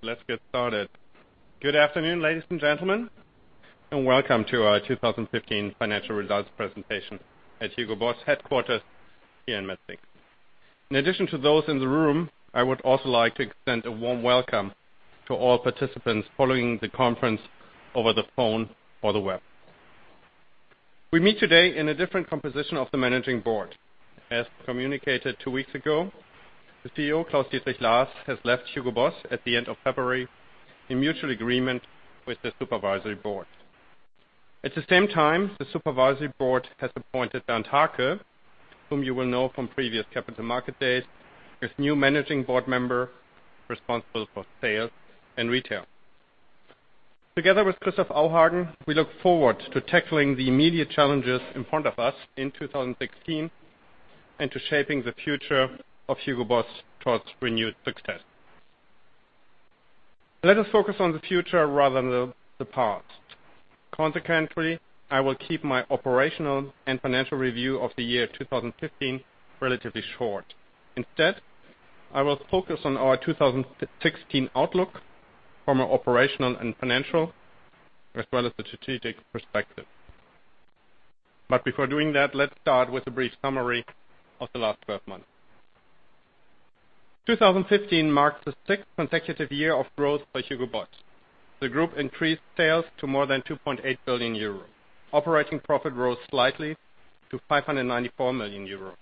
Good afternoon, ladies and gentlemen, and welcome to our 2015 financial results presentation at Hugo Boss headquarters here in Metzingen. In addition to those in the room, I would also like to extend a warm welcome to all participants following the conference over the phone or the web. We meet today in a different composition of the managing board. As communicated two weeks ago, the CEO, Claus-Dietrich Lahrs, has left Hugo Boss at the end of February in mutual agreement with the supervisory board. At the same time, the supervisory board has appointed Bernd Hake, whom you will know from previous capital market days, as new managing board member responsible for sales and retail. Together with Christoph Auhagen, we look forward to tackling the immediate challenges in front of us in 2015 and to shaping the future of Hugo Boss towards renewed success. Let us focus on the future rather than the past. I will keep my operational and financial review of the year 2015 relatively short. Instead, I will focus on our 2016 outlook from an operational and financial, as well as the strategic perspective. Before doing that, let's start with a brief summary of the last 12 months. 2015 marked the sixth consecutive year of growth by Hugo Boss. The group increased sales to more than 2.8 billion euro. Operating profit rose slightly to 594 million euro.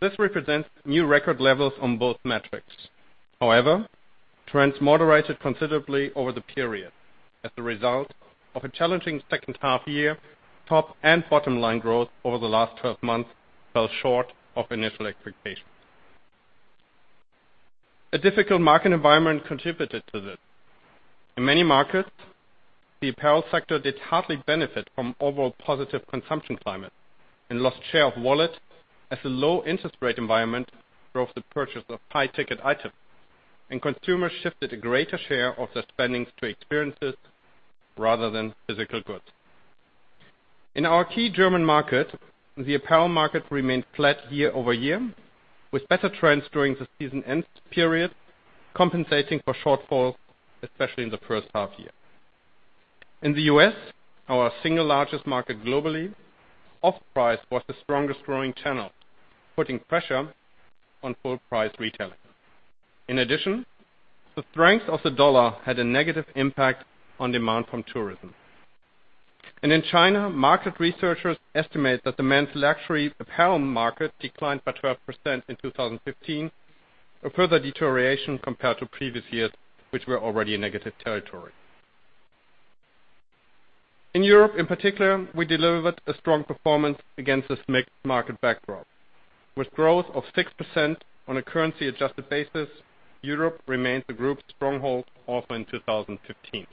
This represents new record levels on both metrics. However, trends moderated considerably over the period as a result of a challenging second half year, top and bottom line growth over the last 12 months fell short of initial expectations. A difficult market environment contributed to this. In many markets, the apparel sector did hardly benefit from overall positive consumption climate and lost share of wallet as the low interest rate environment drove the purchase of high-ticket items, and consumers shifted a greater share of their spendings to experiences rather than physical goods. In our key German market, the apparel market remained flat year-over-year, with better trends during the season end period compensating for shortfalls, especially in the first half year. In the U.S., our single largest market globally, off-price was the strongest growing channel, putting pressure on full-price retailing. The strength of the dollar had a negative impact on demand from tourism. In China, market researchers estimate that the men's luxury apparel market declined by 12% in 2015, a further deterioration compared to previous years, which were already in negative territory. In Europe in particular, we delivered a strong performance against this mixed market backdrop. With growth of 6% on a currency-adjusted basis, Europe remains the group's stronghold also in 2015.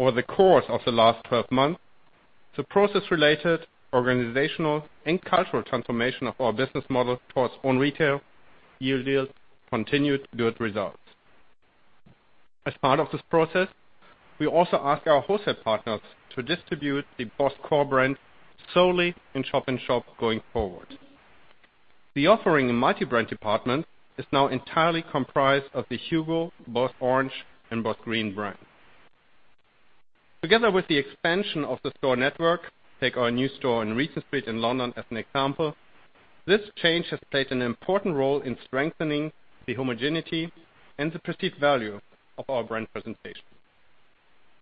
Over the course of the last 12 months, the process-related organizational and cultural transformation of our business model towards own retail yielded continued good results. As part of this process, we also ask our wholesale partners to distribute the BOSS core brand solely in shop-in-shop going forward. The offering in multi-brand department is now entirely comprised of the HUGO, BOSS Orange, and BOSS Green brand. Together with the expansion of the store network, take our new store on Regent Street in London as an example, this change has played an important role in strengthening the homogeneity and the perceived value of our brand presentation.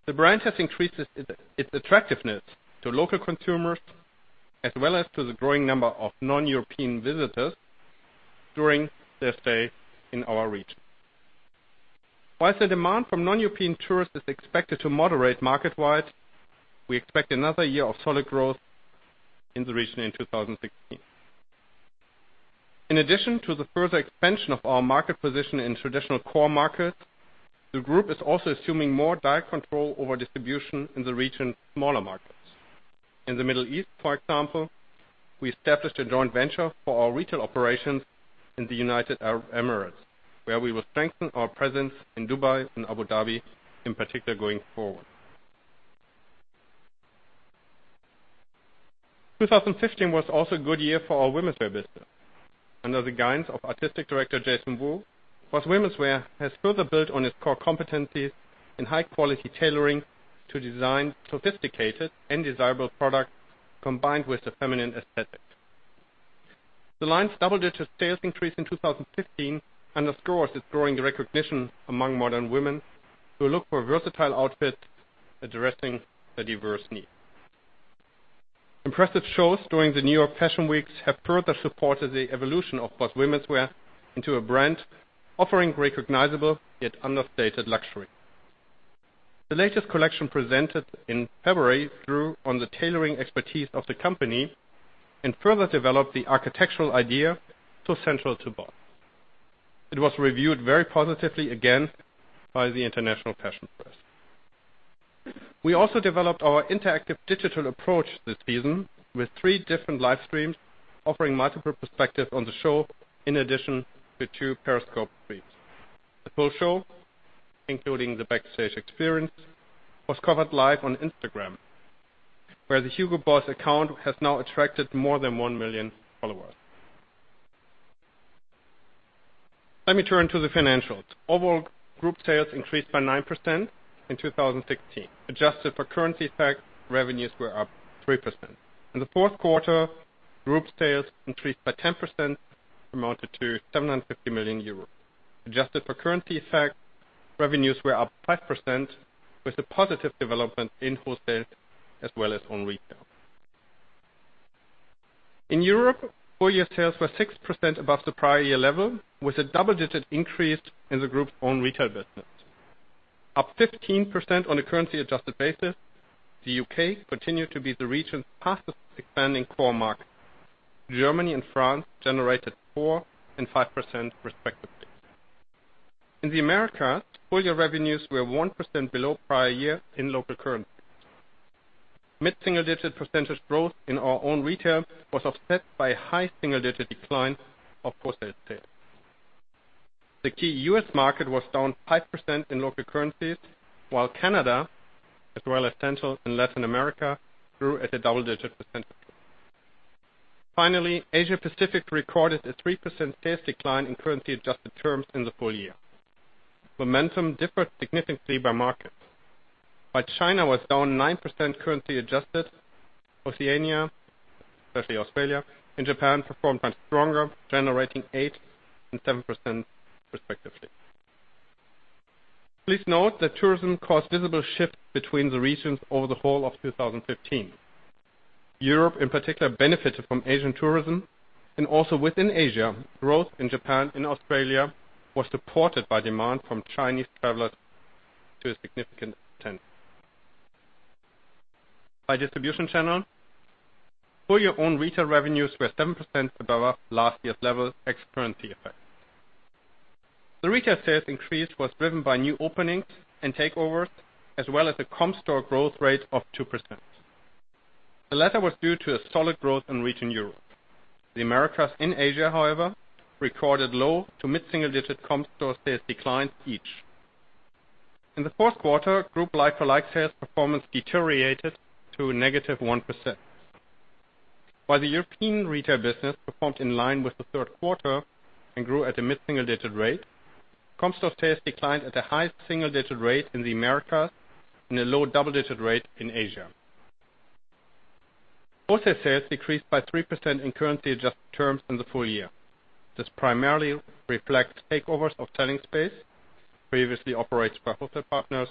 The brand has increased its attractiveness to local consumers, as well as to the growing number of non-European visitors during their stay in our region. Whilst the demand from non-European tourists is expected to moderate market-wide, we expect another year of solid growth in the region in 2016. In addition to the further expansion of our market position in traditional core markets, the group is also assuming more direct control over distribution in the region's smaller markets. In the Middle East, for example, we established a joint venture for our retail operations in the United Arab Emirates, where we will strengthen our presence in Dubai and Abu Dhabi in particular going forward. 2015 was also a good year for our womenswear business. Under the guidance of artistic director Jason Wu, BOSS Womenswear has further built on its core competencies in high-quality tailoring to design sophisticated and desirable products combined with the feminine aesthetic. The line's double-digit sales increase in 2015 underscores its growing recognition among modern women who look for versatile outfits addressing their diverse needs. Impressive shows during the New York Fashion Weeks have further supported the evolution of BOSS Womenswear into a brand offering recognizable yet understated luxury. The latest collection presented in February drew on the tailoring expertise of the company and further developed the architectural idea so central to BOSS. It was reviewed very positively again by the international fashion press. We also developed our interactive digital approach this season with three different livestreams offering multiple perspectives on the show, in addition to two Periscope feeds. The full show, including the backstage experience, was covered live on Instagram. Where the Hugo Boss account has now attracted more than one million followers. Let me turn to the financials. Overall, group sales increased by 9% in 2016. Adjusted for currency effect, revenues were up 3%. In the fourth quarter, group sales increased by 10%, amounted to 750 million euros. Adjusted for currency effect, revenues were up 5% with a positive development in wholesale as well as own retail. In Europe, full-year sales were 6% above the prior year level, with a double-digit increase in the group's own retail business. Up 15% on a currency adjusted basis, the U.K. continued to be the region's fastest expanding core market. Germany and France generated 4% and 5% respectively. In America, full-year revenues were 1% below prior year in local currency. Mid-single digit percentage growth in our own retail was offset by high single-digit decline of wholesale sales. The key U.S. market was down 5% in local currencies, while Canada, as well as Central and Latin America, grew at a double-digit percentage. Finally, Asia Pacific recorded a 3% sales decline in currency adjusted terms in the full year. Momentum differed significantly by market. China was down 9% currency adjusted. Oceania, especially Australia and Japan, performed much stronger, generating 8% and 7% respectively. Please note that tourism caused visible shifts between the regions over the whole of 2015. Europe, in particular, benefited from Asian tourism, and also within Asia, growth in Japan and Australia was supported by demand from Chinese travelers to a significant extent. By distribution channel, full-year own retail revenues were 7% above last year's level, ex currency effect. The retail sales increase was driven by new openings and takeovers, as well as a comp store growth rate of 2%. The latter was due to a solid growth in region Europe. The Americas and Asia, however, recorded low to mid-single digit comp store sales declines each. In the fourth quarter, group like-for-like sales performance deteriorated to -1%. While the European retail business performed in line with the third quarter and grew at a mid-single digit rate, comp store sales declined at a high single-digit rate in the Americas and a low double-digit rate in Asia. Wholesale sales decreased by 3% in currency adjusted terms in the full year. This primarily reflects takeovers of selling space previously operated by wholesale partners,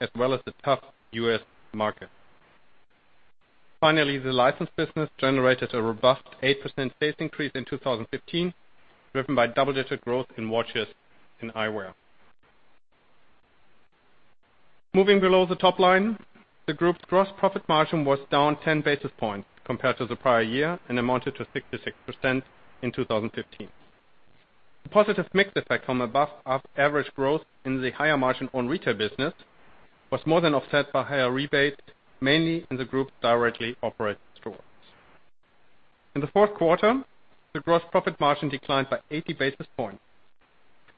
as well as the tough U.S. market. Finally, the license business generated a robust 8% sales increase in 2015, driven by double-digit growth in watches and eyewear. Moving below the top line, the group's gross profit margin was down 10 basis points compared to the prior year and amounted to 66% in 2015. The positive mix effect from above average growth in the higher margin own retail business was more than offset by higher rebates, mainly in the group directly operated stores. In the fourth quarter, the gross profit margin declined by 80 basis points.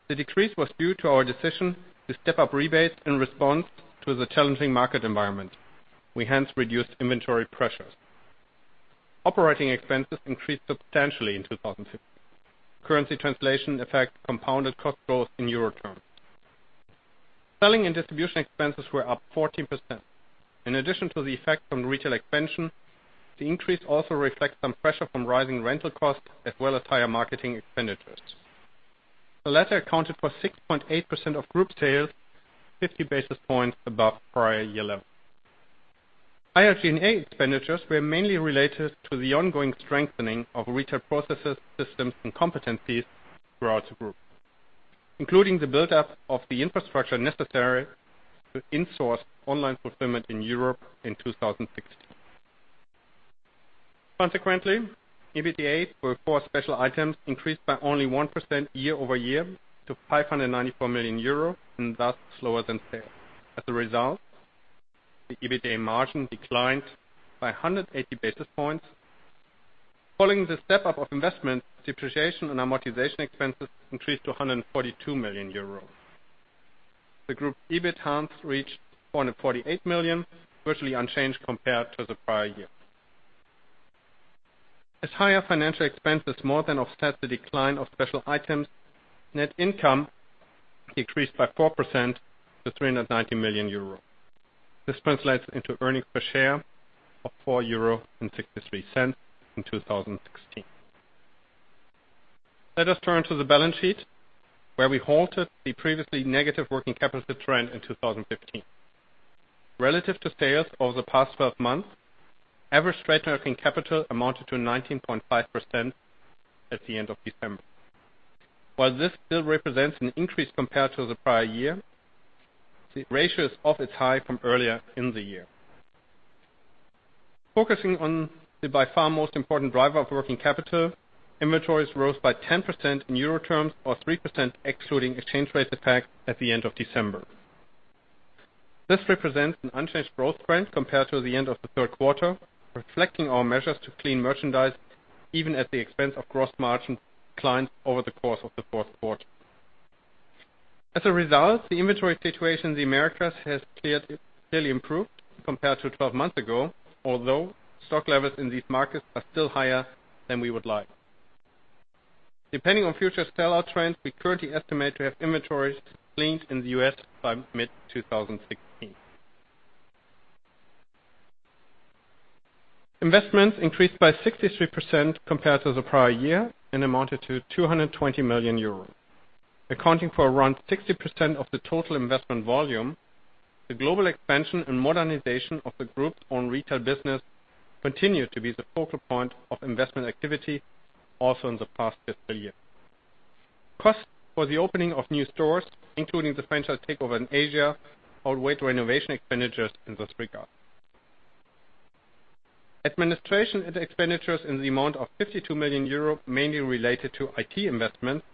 The decrease was due to our decision to step up rebates in response to the challenging market environment. We hence reduced inventory pressures. Operating expenses increased substantially in 2015. Currency translation effect compounded cost growth in euro terms. Selling and distribution expenses were up 14%. In addition to the effect on retail expansion, the increase also reflects some pressure from rising rental costs as well as higher marketing expenditures. The latter accounted for 6.8% of group sales, 50 basis points above prior year level. G&A expenditures were mainly related to the ongoing strengthening of retail processes, systems, and competencies throughout the group, including the buildup of the infrastructure necessary to insource online fulfillment in Europe in 2016. EBITDA before special items increased by only 1% year-over-year to 594 million euros and thus slower than sales. As a result, the EBITDA margin declined by 180 basis points. Following the step-up of investment, depreciation and amortization expenses increased to 142 million euro. The group EBIT, hence, reached 448 million, virtually unchanged compared to the prior year. Higher financial expenses more than offset the decline of special items, net income decreased by 4% to 390 million euro. This translates into earnings per share of 4.63 euro in 2016. Let us turn to the balance sheet, where we halted the previously negative working capital trend in 2015. Relative to sales over the past 12 months, average trade working capital amounted to 19.5% at the end of December. While this still represents an increase compared to the prior year, the ratio is off its high from earlier in the year. Focusing on the by far most important driver of working capital, inventories rose by 10% in euro terms or 3% excluding exchange rate effect at the end of December. This represents an unchanged growth trend compared to the end of the third quarter, reflecting our measures to clean merchandise even at the expense of gross margin declines over the course of the fourth quarter. As a result, the inventory situation in the Americas has clearly improved compared to 12 months ago, although stock levels in these markets are still higher than we would like. Depending on future sellout trends, we currently estimate to have inventories cleaned in the U.S. by mid-2016. Investments increased by 63% compared to the prior year and amounted to 220 million euros. Accounting for around 60% of the total investment volume, the global expansion and modernization of the group's own retail business continued to be the focal point of investment activity also in the past fiscal year. Cost for the opening of new stores, including the franchise takeover in Asia, outweight renovation expenditures in. [inaudible] Administration and expenditures in the amount of 52 million euro mainly related to IT investments,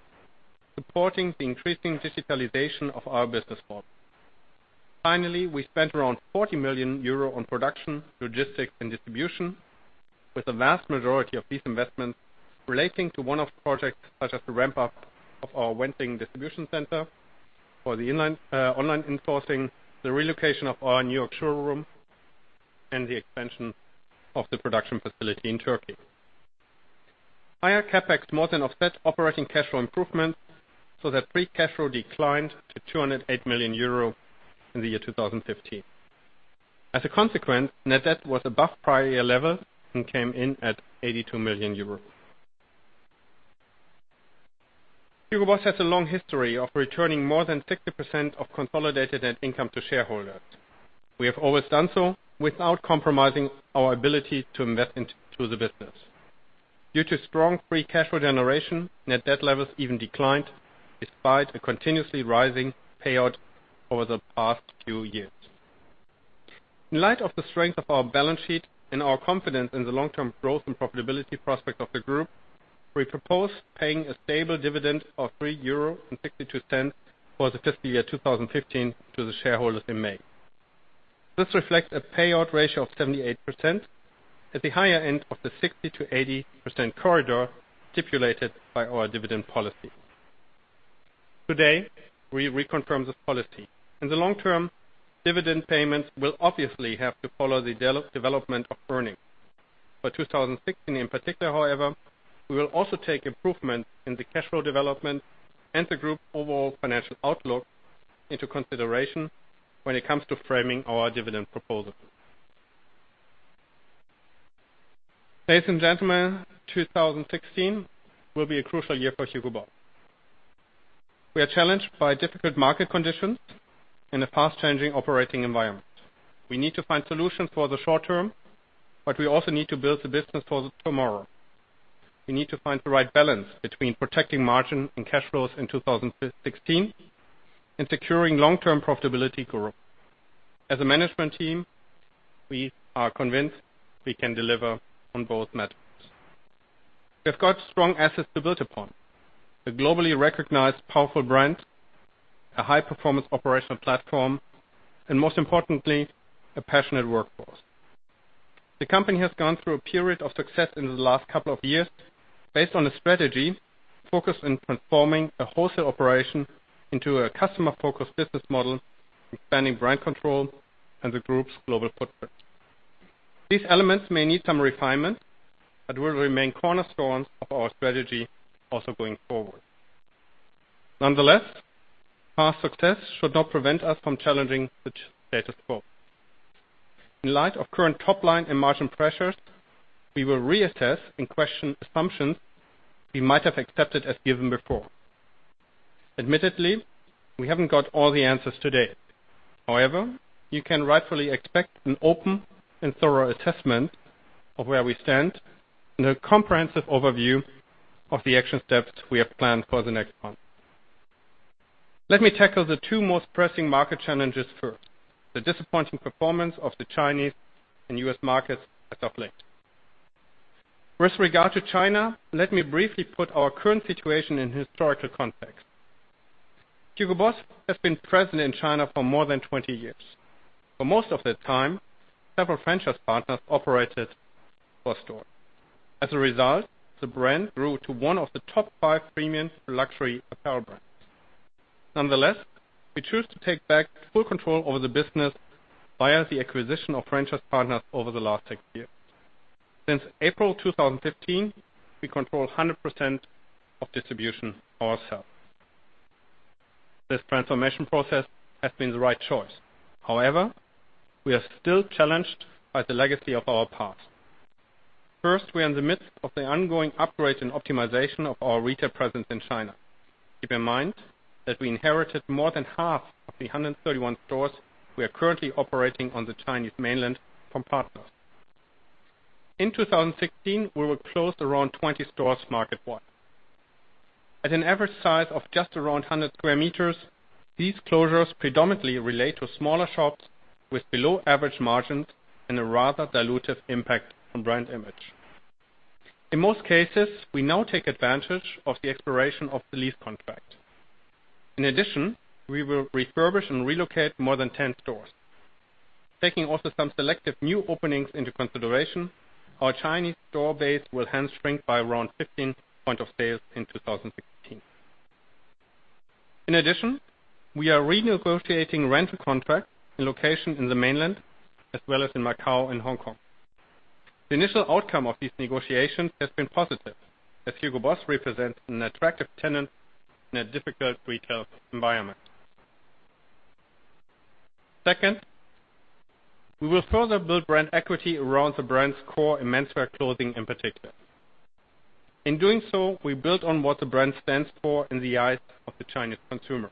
supporting the increasing digitalization of our business model. We spent around 40 million euro on production, logistics, and distribution with the vast majority of these investments relating to one-off projects such as the ramp-up of our Wenzhou distribution center for the online outsourcing, the relocation of our N.Y. showroom, and the expansion of the production facility in Turkey. Higher CapEx more than offset operating cash flow improvement so that free cash flow declined to 208 million euro in 2015. Net debt was above prior year level and came in at 82 million euros. Hugo Boss has a long history of returning more than 60% of consolidated net income to shareholders. We have always done so without compromising our ability to invest into the business. Due to strong free cash flow generation, net debt levels even declined despite a continuously rising payout over the past few years. In light of the strength of our balance sheet and our confidence in the long-term growth and profitability prospect of the group, we propose paying a stable dividend of 3.62 euro for the fiscal year 2015 to the shareholders in May. This reflects a payout ratio of 78%, at the higher end of the 60%-80% corridor stipulated by our dividend policy. We reconfirm this policy. In the long term, dividend payments will obviously have to follow the development of earnings. For 2016 in particular, however, we will also take improvement in the cash flow development and the group overall financial outlook into consideration when it comes to framing our dividend proposal. 2016 will be a crucial year for Hugo Boss. We are challenged by difficult market conditions in a fast-changing operating environment. We need to find solutions for the short term, but we also need to build the business for tomorrow. We need to find the right balance between protecting margin and cash flows in 2016 and securing long-term profitability growth. We are convinced we can deliver on both matters. We've got strong assets to build upon, a globally recognized powerful brand, a high-performance operational platform, and most importantly, a passionate workforce. The company has gone through a period of success in the last couple of years based on a strategy focused on transforming a wholesale operation into a customer-focused business model, expanding brand control, and the group's global footprint. These elements may need some refinement but will remain cornerstones of our strategy also going forward. Past success should not prevent us from challenging the status quo. In light of current top-line and margin pressures, we will reassess and question assumptions we might have accepted as given before. Admittedly, we haven't got all the answers today. However, you can rightfully expect an open and thorough assessment of where we stand and a comprehensive overview of the action steps we have planned for the next month. Let me tackle the two most pressing market challenges first, the disappointing performance of the Chinese and U.S. markets as of late. With regard to China, let me briefly put our current situation in historical context. Hugo Boss has been present in China for more than 20 years. For most of that time, several franchise partners operated our stores. As a result, the brand grew to one of the top five premium luxury apparel brands. Nonetheless, we choose to take back full control over the business via the acquisition of franchise partners over the last six years. Since April 2015, we control 100% of distribution ourselves. This transformation process has been the right choice. However, we are still challenged by the legacy of our past. First, we are in the midst of the ongoing upgrade and optimization of our retail presence in China. Keep in mind that we inherited more than half of the 131 stores we are currently operating on the Chinese mainland from partners. In 2016, we will close around 20 stores market-wide. At an average size of just around 100 sq m, these closures predominantly relate to smaller shops with below-average margins and a rather dilutive impact on brand image. In most cases, we now take advantage of the expiration of the lease contract. In addition, we will refurbish and relocate more than 10 stores. Taking also some selective new openings into consideration, our Chinese store base will hence shrink by around 15 points of sale in 2016. In addition, we are renegotiating rental contracts in locations in the Mainland, as well as in Macau and Hong Kong. The initial outcome of these negotiations has been positive, as Hugo Boss represents an attractive tenant in a difficult retail environment. Second, we will further build brand equity around the brand's core in menswear clothing in particular. In doing so, we build on what the brand stands for in the eyes of the Chinese consumer.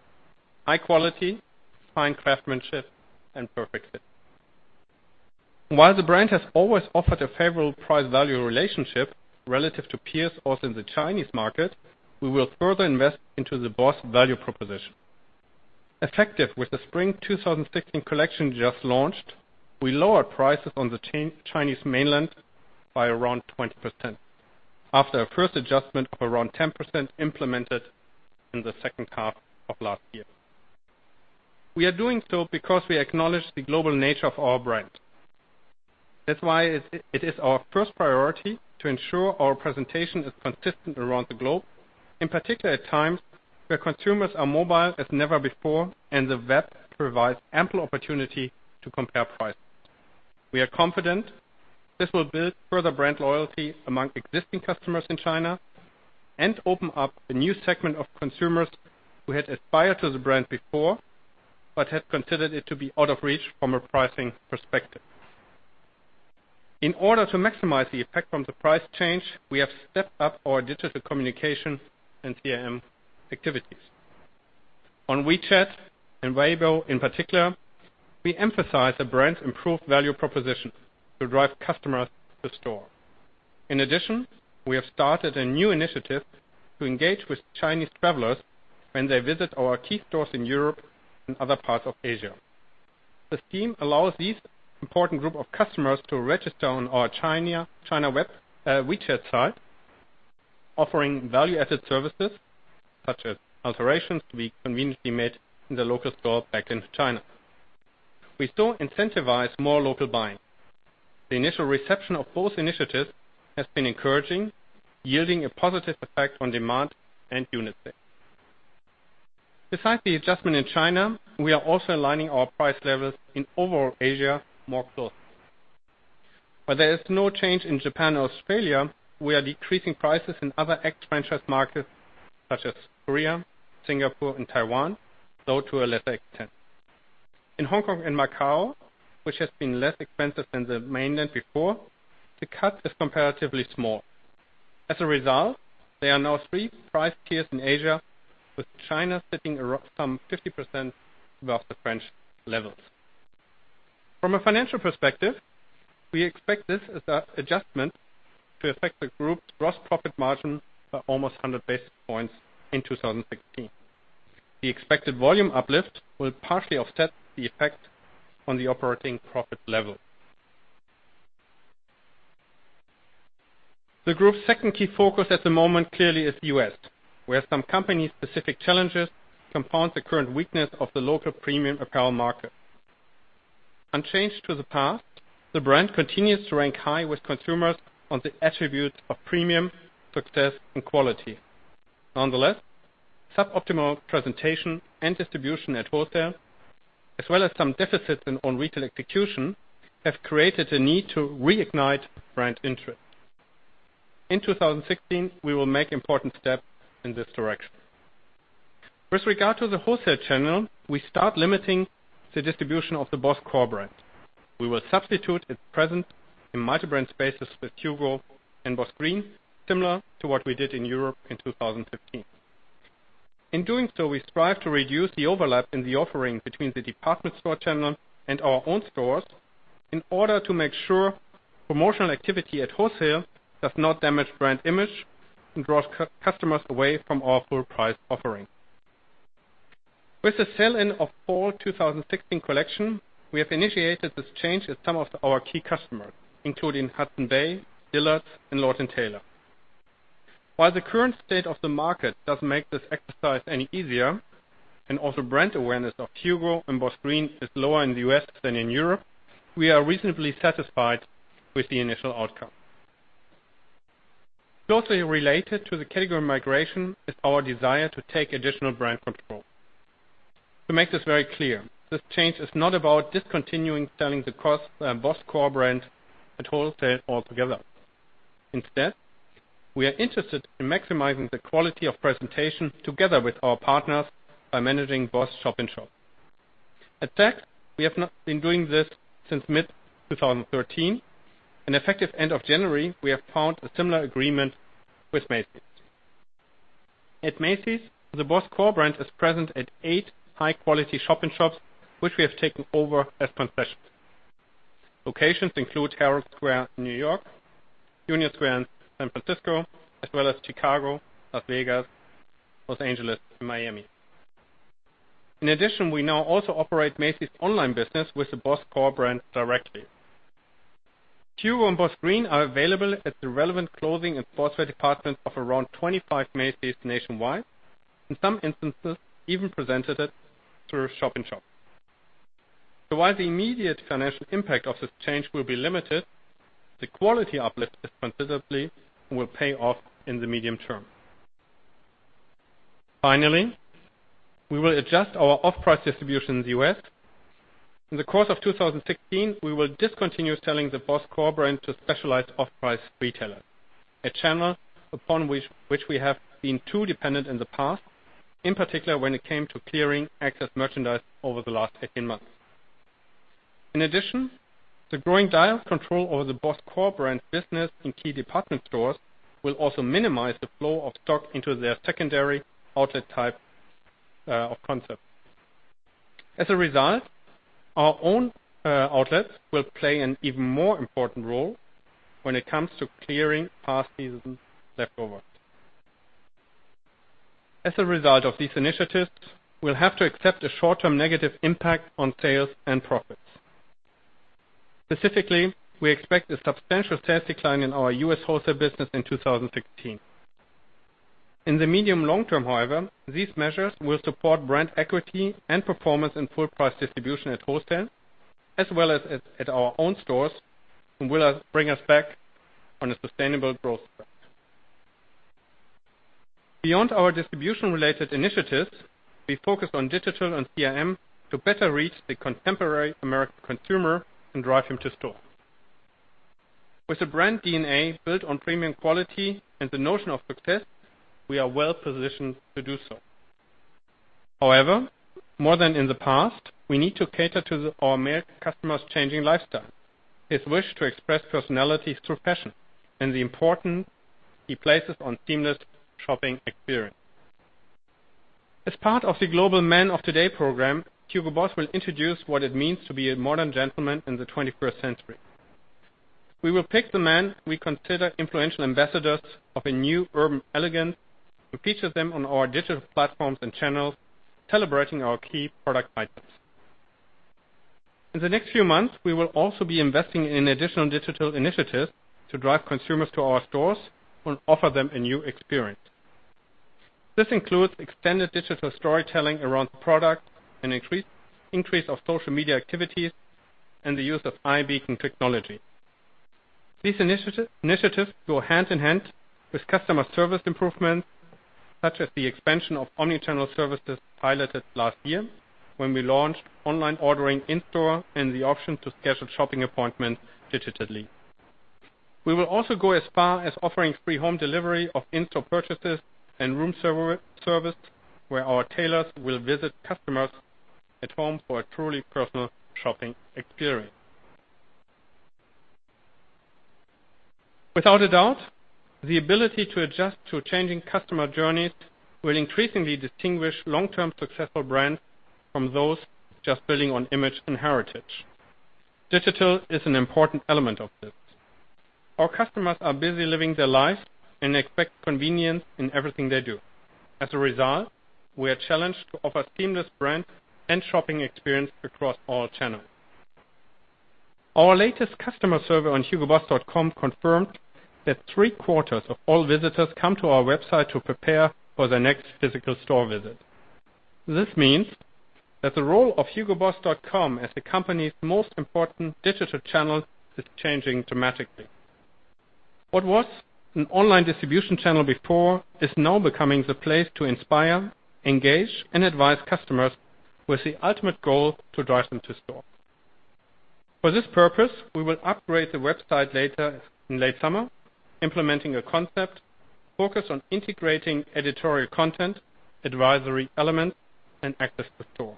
High quality, fine craftsmanship, and perfect fit. While the brand has always offered a favorable price-value relationship relative to peers, also in the Chinese market, we will further invest into the BOSS value proposition. Effective with the Spring 2016 collection just launched, we lowered prices on the Chinese Mainland by around 20%, after a first adjustment of around 10% implemented in the second half of last year. We are doing so because we acknowledge the global nature of our brand. That's why it is our first priority to ensure our presentation is consistent around the globe, in particular at times where consumers are mobile as never before, and the web provides ample opportunity to compare prices. We are confident this will build further brand loyalty among existing customers in China and open up a new segment of consumers who had aspired to the brand before but had considered it to be out of reach from a pricing perspective. In order to maximize the effect from the price change, we have stepped up our digital communication and CRM activities. WeChat and Weibo, in particular, we emphasize the brand's improved value proposition to drive customers to store. We have started a new initiative to engage with Chinese travelers when they visit our key stores in Europe and other parts of Asia. The scheme allows this important group of customers to register on our China WeChat site, offering value-added services such as alterations to be conveniently made in the local store back in China. We still incentivize more local buying. The initial reception of both initiatives has been encouraging, yielding a positive effect on demand and unit sales. We are also aligning our price levels in overall Asia more closely. There is no change in Japan or Australia, we are decreasing prices in other ex-franchise markets such as Korea, Singapore, and Taiwan, though to a lesser extent. Hong Kong and Macau, which has been less expensive than the Mainland before, the cut is comparatively small. There are now 3 price tiers in Asia, with China sitting around some 50% above the French levels. We expect this adjustment to affect the group's gross profit margin by almost 100 basis points in 2016. The expected volume uplift will partially offset the effect on the operating profit level. The group's second key focus at the moment clearly is the U.S., where some company-specific challenges compound the current weakness of the local premium apparel market. Unchanged to the past, the brand continues to rank high with consumers on the attributes of premium, success, and quality. Suboptimal presentation and distribution at wholesale, as well as some deficits on retail execution, have created a need to reignite brand interest. We will make important steps in this direction. We start limiting the distribution of the BOSS core brand. We will substitute its presence in multi-brand spaces with HUGO and BOSS Green, similar to what we did in Europe in 2015. We strive to reduce the overlap in the offering between the department store channel and our own stores, in order to make sure promotional activity at wholesale does not damage brand image and draws customers away from our full price offering. We have initiated this change with some of our key customers, including Hudson's Bay, Dillard's, and Lord & Taylor. The current state of the market doesn't make this exercise any easier, and also brand awareness of HUGO and BOSS Green is lower in the U.S. than in Europe, we are reasonably satisfied with the initial outcome. Closely related to the category migration is our desire to take additional brand control. This change is not about discontinuing selling the BOSS core brand at wholesale altogether. We are interested in maximizing the quality of presentation together with our partners by managing BOSS shop-in-shops. We have now been doing this since mid-2013. Effective end of January, we have found a similar agreement with Macy's. The BOSS core brand is present at eight high-quality shop-in-shops, which we have taken over as concessions. Locations include Herald Square in New York, Union Square in San Francisco, as well as Chicago, Las Vegas, Los Angeles, and Miami. In addition, we now also operate Macy's online business with the BOSS core brand directly. HUGO and BOSS Green are available at the relevant clothing and sportswear department of around 25 main stores nationwide. In some instances, even presented it through shop-in-shop. While the immediate financial impact of this change will be limited, the quality uplift is considerably will pay off in the medium term. Finally, we will adjust our off-price distribution in the U.S. In the course of 2016, we will discontinue selling the BOSS core brand to specialized off-price retailers. A channel upon which we have been too dependent in the past, in particular, when it came to clearing excess merchandise over the last 18 months. In addition, the growing dial of control over the BOSS core brand business in key department stores will also minimize the flow of stock into their secondary outlet type of concept. As a result, our own outlets will play an even more important role when it comes to clearing past season leftovers. As a result of these initiatives, we'll have to accept a short-term negative impact on sales and profits. Specifically, we expect a substantial sales decline in our U.S. wholesale business in 2016. In the medium long term, however, these measures will support brand equity and performance in full price distribution at wholesale, as well as at our own stores and will bring us back on a sustainable growth path. Beyond our distribution-related initiatives, we focus on digital and CRM to better reach the contemporary American consumer and drive him to store. With a brand DNA built on premium quality and the notion of success, we are well-positioned to do so. More than in the past, we need to cater to our American customer's changing lifestyle. His wish to express personality through fashion and the importance he places on seamless shopping experience. As part of the global Man of Today program, Hugo Boss will introduce what it means to be a modern gentleman in the 21st century. We will pick the men we consider influential ambassadors of a new urban elegance and feature them on our digital platforms and channels, celebrating our key product items. In the next few months, we will also be investing in additional digital initiatives to drive consumers to our stores and offer them a new experience. This includes extended digital storytelling around product, an increase of social media activities, and the use of iBeacon technology. These initiatives go hand-in-hand with customer service improvements, such as the expansion of omnichannel services piloted last year when we launched online ordering in-store and the option to schedule shopping appointments digitally. We will also go as far as offering free home delivery of in-store purchases and room service, where our tailors will visit customers at home for a truly personal shopping experience. Without a doubt, the ability to adjust to changing customer journeys will increasingly distinguish long-term successful brands from those just building on image and heritage. Digital is an important element of this. Our customers are busy living their lives and expect convenience in everything they do. We are challenged to offer seamless brands and shopping experience across all channels. Our latest customer survey on hugoboss.com confirmed that three-quarters of all visitors come to our website to prepare for their next physical store visit. This means that the role of hugoboss.com as the company's most important digital channel is changing dramatically. What was an online distribution channel before is now becoming the place to inspire, engage, and advise customers with the ultimate goal to drive them to store. For this purpose, we will upgrade the website in late summer, implementing a concept focused on integrating editorial content, advisory elements, and access to store.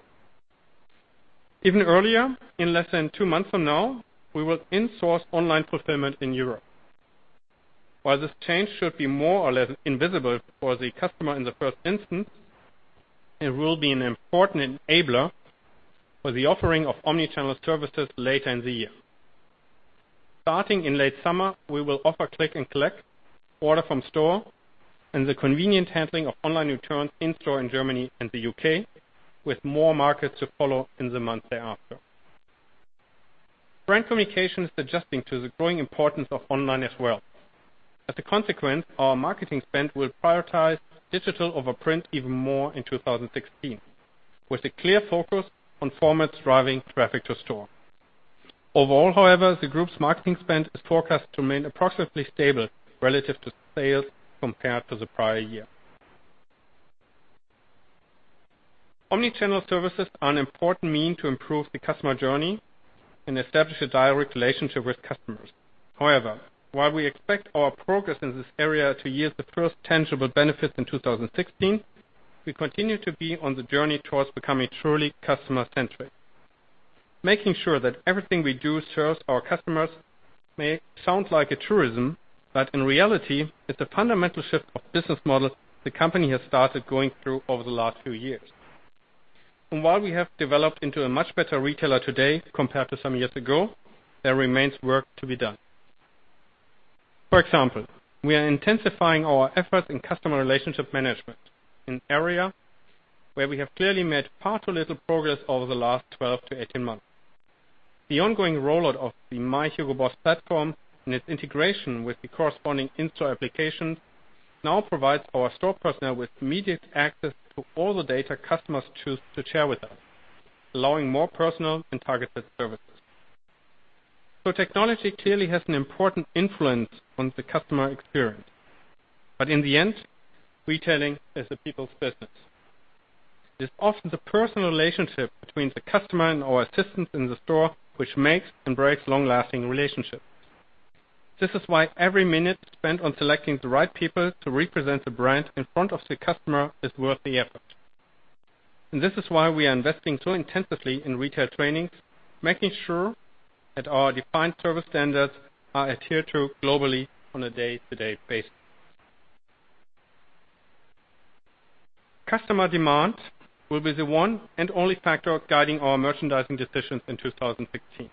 Even earlier, in less than two months from now, we will in-source online fulfillment in Europe. While this change should be more or less invisible for the customer in the first instance, it will be an important enabler for the offering of omnichannel services later in the year. Starting in late summer, we will offer click and collect, order from store, and the convenient handling of online returns in-store in Germany and the U.K., with more markets to follow in the months thereafter. Brand communication is adjusting to the growing importance of online as well. As a consequence, our marketing spend will prioritize digital over print even more in 2016, with a clear focus on formats driving traffic to store. Overall, however, the group's marketing spend is forecast to remain approximately stable relative to sales compared to the prior year. Omnichannel services are an important mean to improve the customer journey and establish a direct relationship with customers. However, while we expect our progress in this area to yield the first tangible benefits in 2016, we continue to be on the journey towards becoming truly customer-centric. Making sure that everything we do serves our customers may sound like a truism, but in reality, it's a fundamental shift of business model the company has started going through over the last few years. And while we have developed into a much better retailer today compared to some years ago, there remains work to be done. For example, we are intensifying our efforts in customer relationship management, an area where we have clearly made far too little progress over the last 12 to 18 months. The ongoing rollout of the My HUGO BOSS platform and its integration with the corresponding in-store applications now provides our store personnel with immediate access to all the data customers choose to share with us, allowing more personal and targeted services. So technology clearly has an important influence on the customer experience. But in the end, retailing is the people's business. It is often the personal relationship between the customer and our assistants in the store, which makes and breaks long-lasting relationships. This is why every minute spent on selecting the right people to represent the brand in front of the customer is worth the effort. And this is why we are investing so intensively in retail trainings, making sure that our defined service standards are adhered to globally on a day-to-day basis. Customer demand will be the one and only factor guiding our merchandising decisions in 2016.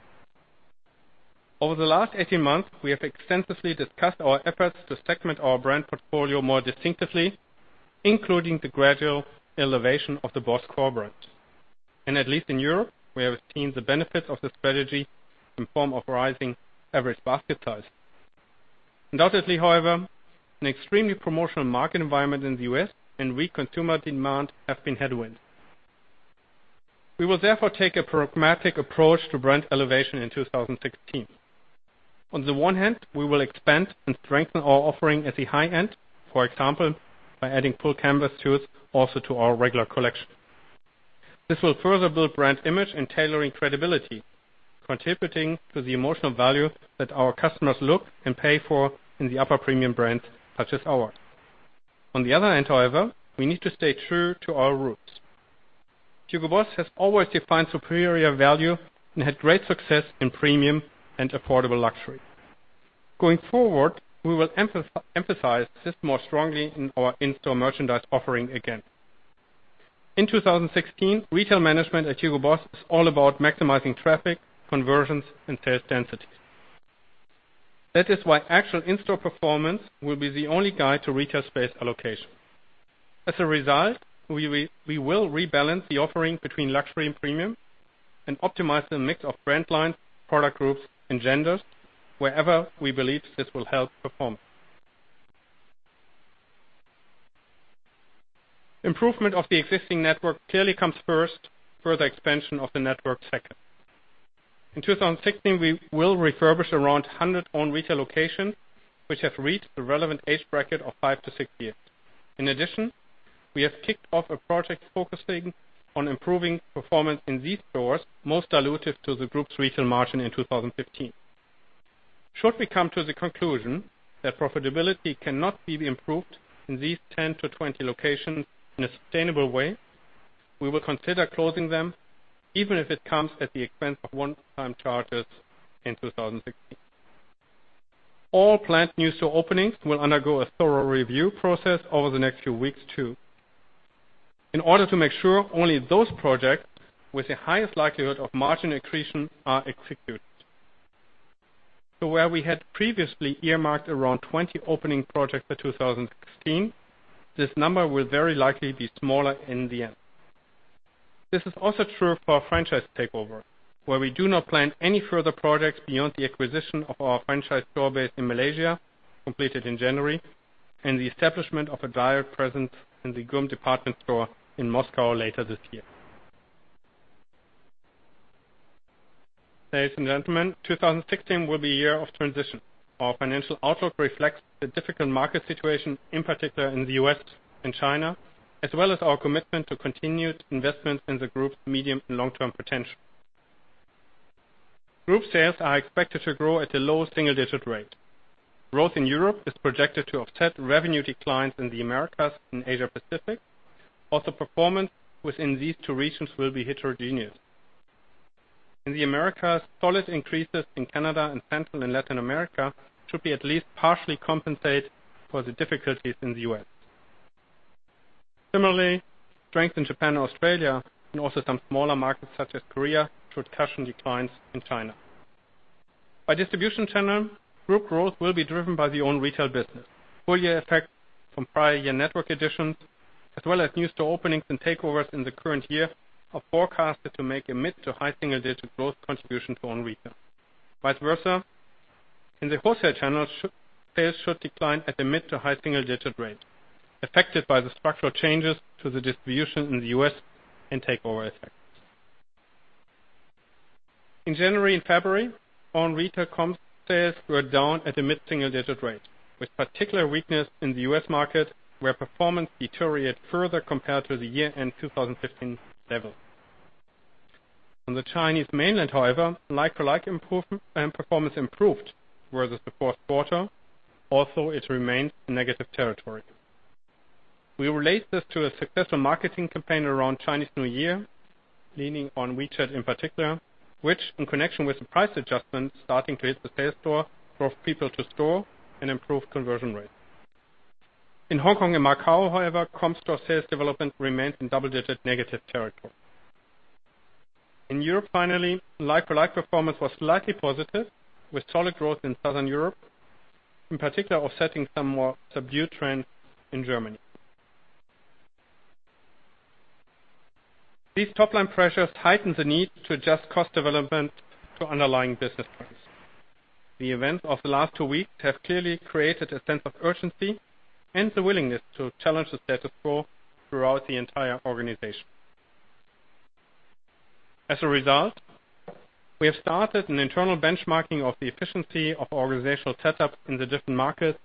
Over the last 18 months, we have extensively discussed our efforts to segment our brand portfolio more distinctively, including the gradual elevation of the BOSS core brand. And at least in Europe, we have seen the benefits of this strategy in form of rising average basket size. Undoubtedly, however, an extremely promotional market environment in the U.S. and weak consumer demand have been headwinds. We will therefore take a pragmatic approach to brand elevation in 2016. On the one hand, we will expand and strengthen our offering at the high end, for example, by adding full canvas shoes also to our regular collection. This will further build brand image and tailoring credibility, contributing to the emotional value that our customers look and pay for in the upper premium brands such as ours. On the other hand, however, we need to stay true to our roots. Hugo Boss has always defined superior value and had great success in premium and affordable luxury. Going forward, we will emphasize this more strongly in our in-store merchandise offering again. In 2016, retail management at Hugo Boss is all about maximizing traffic, conversions, and sales densities. That is why actual in-store performance will be the only guide to retail space allocation. As a result, we will rebalance the offering between luxury and premium and optimize the mix of brand lines, product groups, and genders wherever we believe this will help performance. Improvement of the existing network clearly comes first, further expansion of the network second. In 2016, we will refurbish around 100 own retail locations which have reached the relevant age bracket of five to six years. In addition, we have kicked off a project focusing on improving performance in these stores most dilutive to the group's retail margin in 2015. Should we come to the conclusion that profitability cannot be improved in these 10 to 20 locations in a sustainable way, we will consider closing them, even if it comes at the expense of one-time charges in 2016. All planned new store openings will undergo a thorough review process over the next few weeks, too. In order to make sure only those projects with the highest likelihood of margin accretion are executed. Where we had previously earmarked around 20 opening projects for 2016, this number will very likely be smaller in the end. This is also true for our franchise takeover, where we do not plan any further projects beyond the acquisition of our franchise store base in Malaysia, completed in January, and the establishment of a direct presence in the GUM department store in Moscow later this year. Ladies and gentlemen, 2016 will be a year of transition. Our financial outlook reflects the difficult market situation, in particular in the U.S. and China, as well as our commitment to continued investments in the group's medium and long-term potential. Group sales are expected to grow at a low single-digit rate. Growth in Europe is projected to offset revenue declines in the Americas and Asia Pacific. Also, performance within these two regions will be heterogeneous. In the Americas, solid increases in Canada and Central and Latin America should at least partially compensate for the difficulties in the U.S. Similarly, strength in Japan and Australia, and also some smaller markets such as Korea, should cushion declines in China. By distribution channel, group growth will be driven by the own retail business. Full-year effects from prior year network additions, as well as new store openings and takeovers in the current year are forecasted to make a mid to high single-digit growth contribution to own retail. Vice versa, in the wholesale channels, sales should decline at a mid to high single-digit rate, affected by the structural changes to the distribution in the U.S. and takeover effects. In January and February, own retail comp sales were down at a mid-single digit rate, with particular weakness in the U.S. market, where performance deteriorated further compared to the year-end 2015 level. On the Chinese mainland, however, like-for-like performance improved versus the fourth quarter, although it remains in negative territory. We relate this to a successful marketing campaign around Chinese New Year, leaning on WeChat in particular, which, in connection with the price adjustments starting to hit the sales floor, drove people to store and improved conversion rates. In Hong Kong and Macau, however, comp store sales development remained in double-digit negative territory. In Europe, finally, like-for-like performance was slightly positive, with solid growth in Southern Europe, in particular offsetting some more subdued trends in Germany. These top-line pressures heighten the need to adjust cost development to underlying business plans. The events of the last two weeks have clearly created a sense of urgency and the willingness to challenge the status quo throughout the entire organization. As a result, we have started an internal benchmarking of the efficiency of organizational setup in the different markets,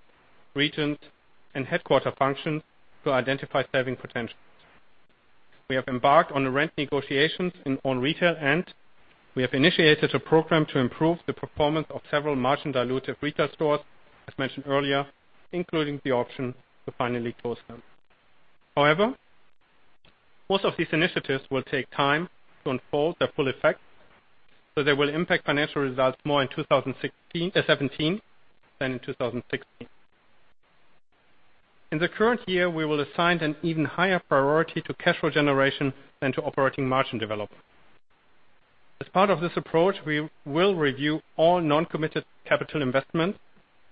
regions and headquarter functions to identify saving potential. We have embarked on rent negotiations in own retail, and we have initiated a program to improve the performance of several margin-dilutive retail stores, as mentioned earlier, including the option to finally close them. However, most of these initiatives will take time to unfold their full effect, so they will impact financial results more in 2017 than in 2016. In the current year, we will assign an even higher priority to cash flow generation than to operating margin development. As part of this approach, we will review all non-committed capital investments,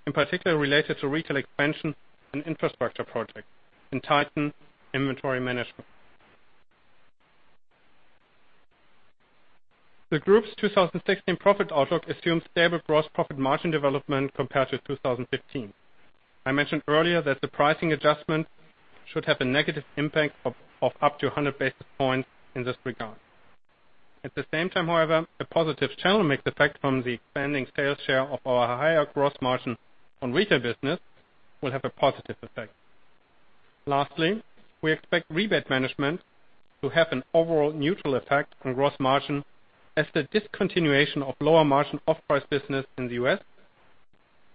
in particular related to retail expansion and infrastructure projects, and tighten inventory management. The group's 2016 profit outlook assumes stable gross profit margin development compared to 2015. I mentioned earlier that the pricing adjustment should have a negative impact of up to 100 basis points in this regard. At the same time, however, a positive channel mix effect from the expanding sales share of our higher gross margin on retail business will have a positive effect. Lastly, we expect rebate management to have an overall neutral effect on gross margin as the discontinuation of lower-margin off-price business in the U.S.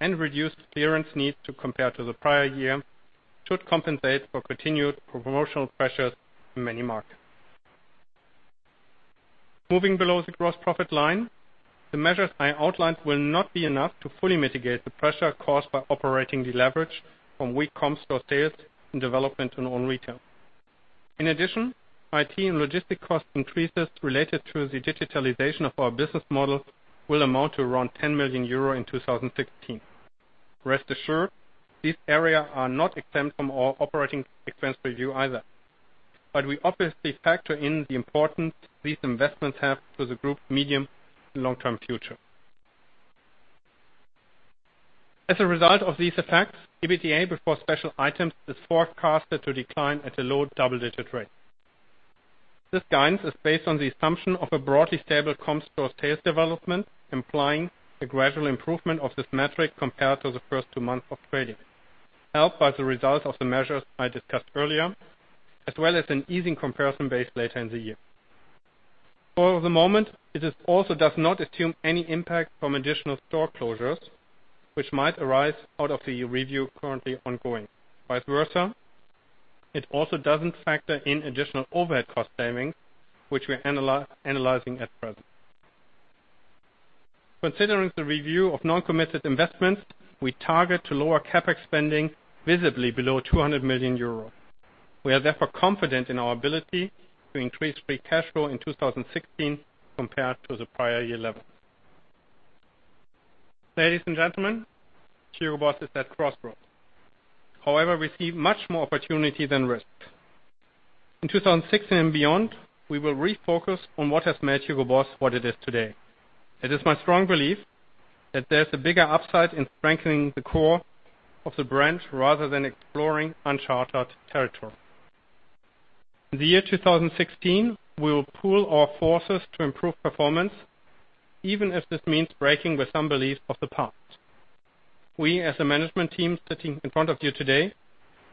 and reduced clearance needs compared to the prior year should compensate for continued promotional pressures in many markets. Moving below the gross profit line, the measures I outlined will not be enough to fully mitigate the pressure caused by operating deleverage from weak comp store sales and development in own retail. In addition, IT and logistic cost increases related to the digitalization of our business model will amount to around 10 million euro in 2016. Rest assured, these areas are not exempt from our operating expense review either. We obviously factor in the importance these investments have to the group medium and long-term future. As a result of these effects, EBITDA before special items is forecasted to decline at a low double-digit rate. This guidance is based on the assumption of a broadly stable comp store sales development, implying a gradual improvement of this metric compared to the first two months of trading, helped by the result of the measures I discussed earlier, as well as an easing comparison base later in the year. For the moment, it also does not assume any impact from additional store closures which might arise out of the review currently ongoing. Vice versa, it also doesn't factor in additional overhead cost savings, which we are analyzing at present. Considering the review of non-committed investments, we target to lower CapEx spending visibly below 200 million euros. We are therefore confident in our ability to increase free cash flow in 2016 compared to the prior year level. Ladies and gentlemen, Hugo Boss is at a crossroads. However, we see much more opportunity than risk. In 2016 and beyond, we will refocus on what has made Hugo Boss what it is today. It is my strong belief that there's a bigger upside in strengthening the core of the brand rather than exploring unchartered territory. In the year 2016, we will pool our forces to improve performance, even if this means breaking with some beliefs of the past. We, as the management team sitting in front of you today,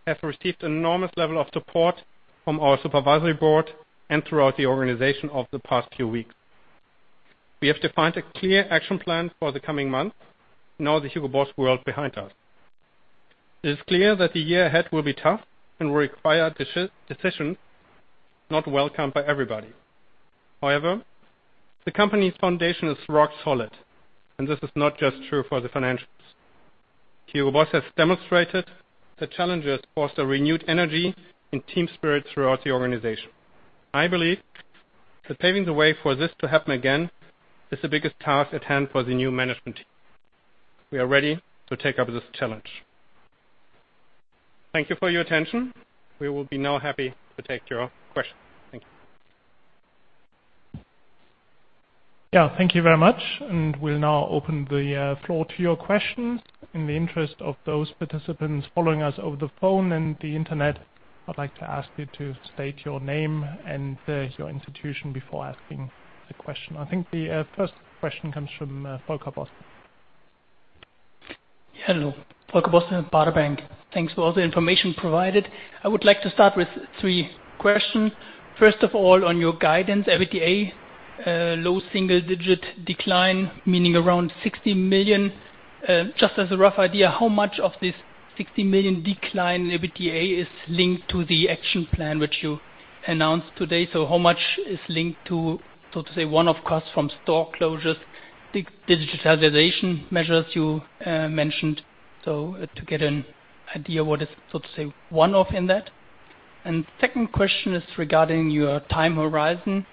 have received an enormous level of support from our supervisory board and throughout the organization over the past few weeks. We have defined a clear action plan for the coming months. Now the Hugo Boss world is behind us. It is clear that the year ahead will be tough and will require decisions not welcome by everybody. However, the company's foundation is rock solid, and this is not just true for the financials. Hugo Boss has demonstrated that challenges foster renewed energy and team spirit throughout the organization. I believe that paving the way for this to happen again is the biggest task at hand for the new management team. We are ready to take up this challenge. Thank you for your attention. We will be now happy to take your questions. Thank you. Yeah. Thank you very much, we'll now open the floor to your questions. In the interest of those participants following us over the phone and the internet, I'd like to ask you to state your name and your institution before asking the question. I think the first question comes from Volker Bosse. Hello. Volker Bosse, Baader Bank. Thanks for all the information provided. I would like to start with three questions. First of all, on your guidance, EBITDA, low single-digit decline, meaning around 60 million. Just as a rough idea, how much of this 60 million decline in EBITDA is linked to the action plan which you announced today? How much is linked to, so to say, one-off costs from store closures, digitalization measures you mentioned. To get an idea what is, so to say, one-off in that. Second question is regarding your time horizon.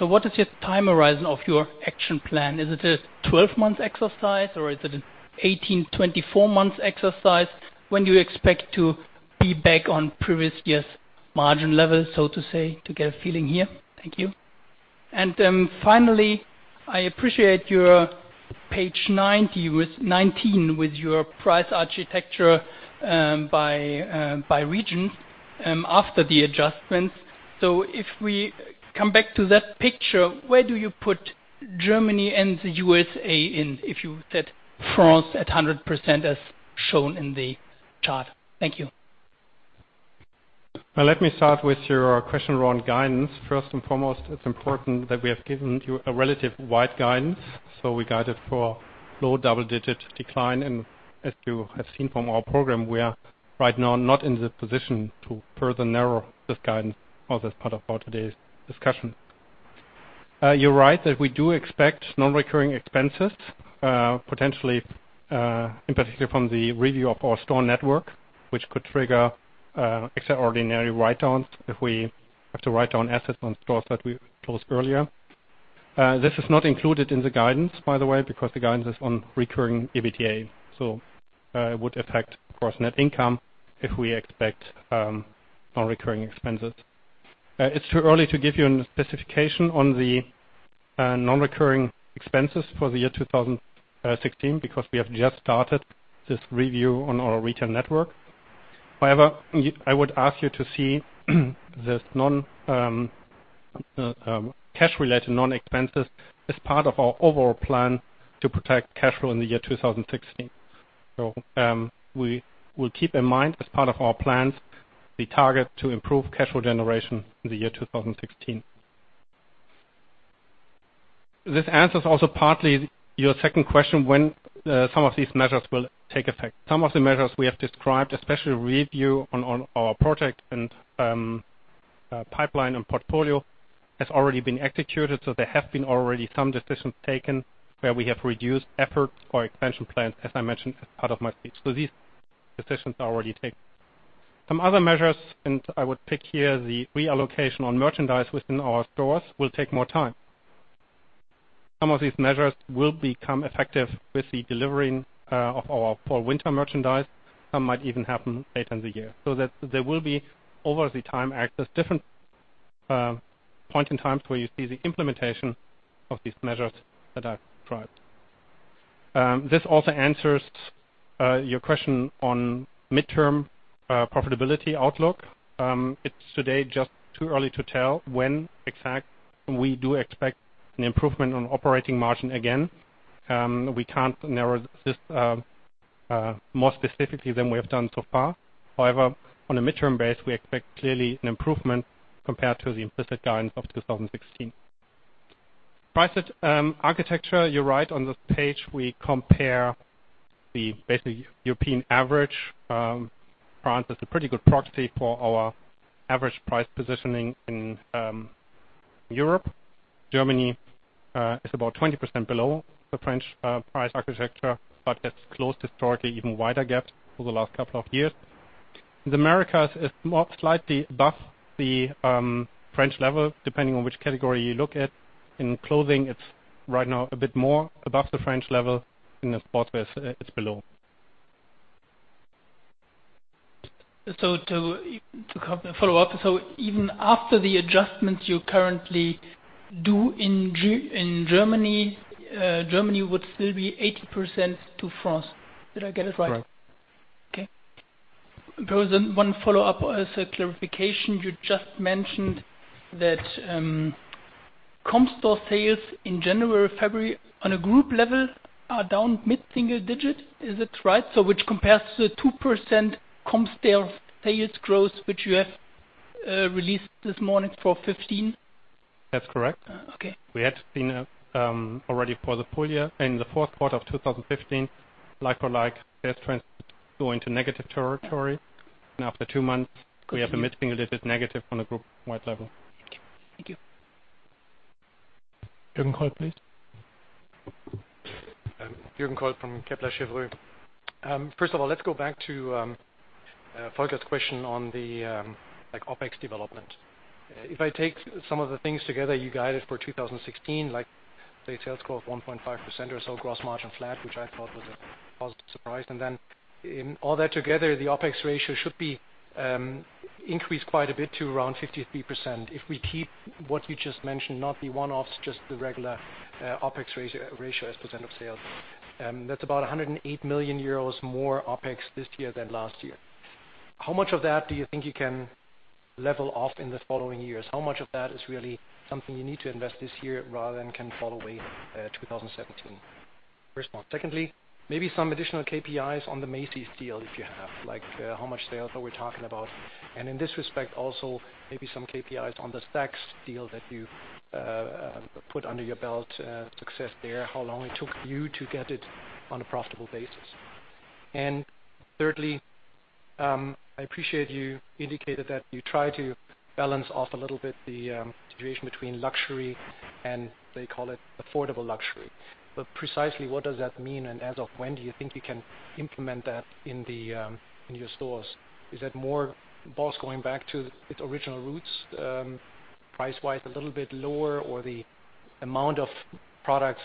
What is your time horizon of your action plan? Is it a 12-month exercise or is it an 18, 24-month exercise? When do you expect to be back on previous year's margin level, so to say, to get a feeling here? Thank you. Finally, I appreciate your page 19 with your price architecture by region after the adjustments. If we come back to that picture, where do you put Germany and the U.S.A. in, if you set France at 100% as shown in the chart? Thank you. Well, let me start with your question around guidance. First and foremost, it's important that we have given you a relative wide guidance, so we guided for low double-digit decline. As you have seen from our program, we are right now not in the position to further narrow this guidance as part of today's discussion. You're right that we do expect non-recurring expenses, potentially, in particular from the review of our store network, which could trigger extraordinary write-downs if we have to write down assets on stores that we closed earlier. This is not included in the guidance, by the way, because the guidance is on recurring EBITDA. It would affect, of course, net income if we expect non-recurring expenses. It's too early to give you a specification on the non-recurring expenses for the year 2016, because we have just started this review on our retail network. However, I would ask you to see the cash-related non-expenses as part of our overall plan to protect cash flow in the year 2016. We will keep in mind, as part of our plans, the target to improve cash flow generation in the year 2016. This answers also partly your second question, when some of these measures will take effect. Some of the measures we have described, especially review on our project and pipeline and portfolio, has already been executed. There have been already some decisions taken where we have reduced efforts for expansion plans, as I mentioned as part of my speech. These decisions are already taken. Some other measures, I would pick here the reallocation on merchandise within our stores, will take more time. Some of these measures will become effective with the delivering of our fall/winter merchandise. Some might even happen later in the year. There will be, over the time, at different points in time where you see the implementation of these measures that I've described. This also answers your question on midterm profitability outlook. It's today just too early to tell when exactly we do expect an improvement on operating margin again. We can't narrow this more specifically than we have done so far. However, on a midterm basis, we expect clearly an improvement compared to the implicit guidance of 2016. Price architecture, you're right. On this page, we compare the basically European average. France is a pretty good proxy for our average price positioning in Europe. Germany is about 20% below the French price architecture, but that's closed historically even wider gaps over the last couple of years. The Americas is slightly above the French level, depending on which category you look at. In clothing, it's right now a bit more above the French level. In the sportswear, it's below. To follow up. Even after the adjustment you currently do in Germany would still be 80% to France. Did I get it right? Right. Okay. There was one follow-up as a clarification. You just mentioned that comp store sales in January, February on a group level are down mid-single digit. Is it right? Which compares to the 2% comp store sales growth, which you have released this morning for 2015? That's correct. Okay. We had seen already for the full year, in the fourth quarter of 2015, like-for-like sales trends go into negative territory. After two months, we have a mid-single digit negative on a group-wide level. Thank you. Jürgen Kolb, please. Jürgen Kolb from Kepler Cheuvreux. First of all, let's go back to Volker's question on the OpEx development. If I take some of the things together, you guided for 2016, like sales growth 1.5% or so, gross margin flat, which I thought was a positive surprise. In all that together, the OpEx ratio should be increased quite a bit to around 53%. If we keep what you just mentioned, not the one-offs, just the regular OpEx ratio as % of sales. That's about 108 million euros more OpEx this year than last year. How much of that do you think you can level off in the following years? How much of that is really something you need to invest this year rather than can fall away 2017? First one. Secondly, maybe some additional KPIs on the Macy's deal if you have, like how much sales are we talking about? In this respect, also, maybe some KPIs on the Saks deal that you put under your belt, success there, how long it took you to get it on a profitable basis? Thirdly, I appreciate you indicated that you try to balance off a little bit the situation between luxury and they call it affordable luxury. Precisely what does that mean? As of when do you think you can implement that in your stores? Is that more BOSS going back to its original roots price-wise a little bit lower, or the amount of products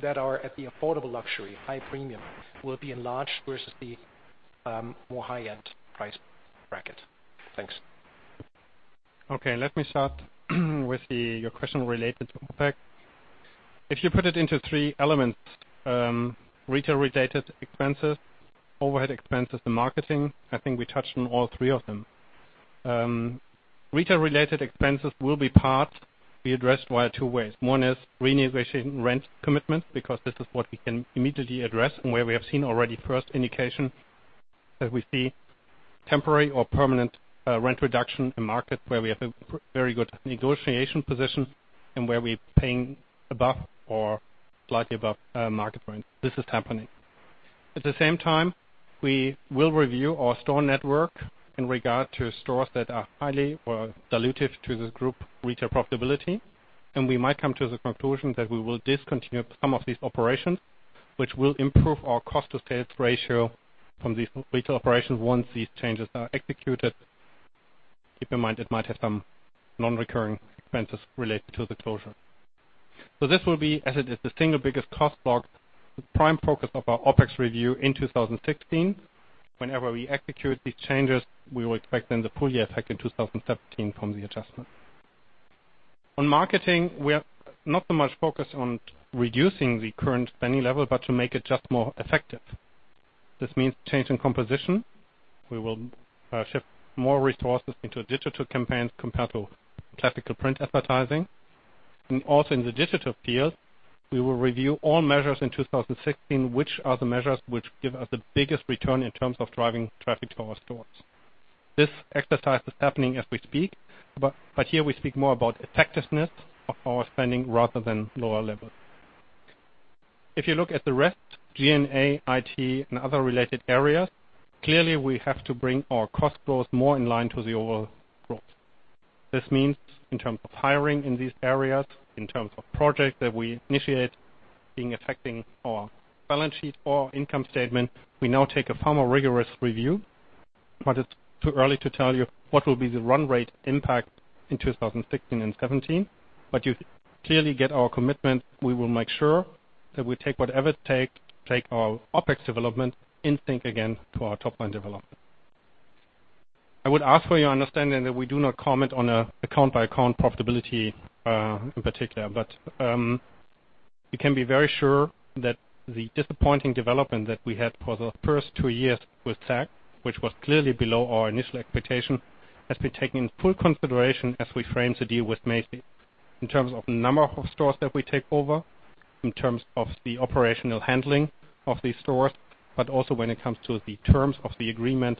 that are at the affordable luxury, high premium will be enlarged versus the more high-end price bracket? Thanks. Okay. Let me start with your question related to OpEx. If you put it into three elements, retail-related expenses, overhead expenses, and marketing, I think we touched on all three of them. Retail-related expenses will be part be addressed via two ways. One is renegotiating rent commitments, because this is what we can immediately address and where we have seen already first indication that we see temporary or permanent rent reduction in markets where we have a very good negotiation position and where we're paying above or slightly above market rent. This is happening. At the same time, we will review our store network in regard to stores that are highly or dilutive to the group retail profitability. We might come to the conclusion that we will discontinue some of these operations, which will improve our cost-to-sales ratio from these retail operations once these changes are executed. Keep in mind, it might have some non-recurring expenses related to the closure. This will be, as it is the single biggest cost block, the prime focus of our OpEx review in 2016. Whenever we execute these changes, we will expect then the full-year effect in 2017 from the adjustment. On marketing, we are not so much focused on reducing the current spending level, but to make it just more effective. This means change in composition. We will shift more resources into digital campaigns compared to classical print advertising. Also in the digital field, we will review all measures in 2016, which are the measures which give us the biggest return in terms of driving traffic to our stores. This exercise is happening as we speak, here we speak more about effectiveness of our spending rather than lower levels. If you look at the rest, G&A, IT, and other related areas, clearly we have to bring our cost base more in line to the overall growth. This means in terms of hiring in these areas, in terms of projects that we initiate being affecting our balance sheet or income statement. We now take a far more rigorous review. It's too early to tell you what will be the run rate impact in 2016 and 2017. You clearly get our commitment. We will make sure that we take whatever it takes to take our OpEx development in sync again to our top-line development. I would ask for your understanding that we do not comment on an account-by-account profitability, in particular. You can be very sure that the disappointing development that we had for the first two years with Saks, which was clearly below our initial expectation, has been taken in full consideration as we frame the deal with Macy's, in terms of number of stores that we take over, in terms of the operational handling of these stores, but also when it comes to the terms of the agreement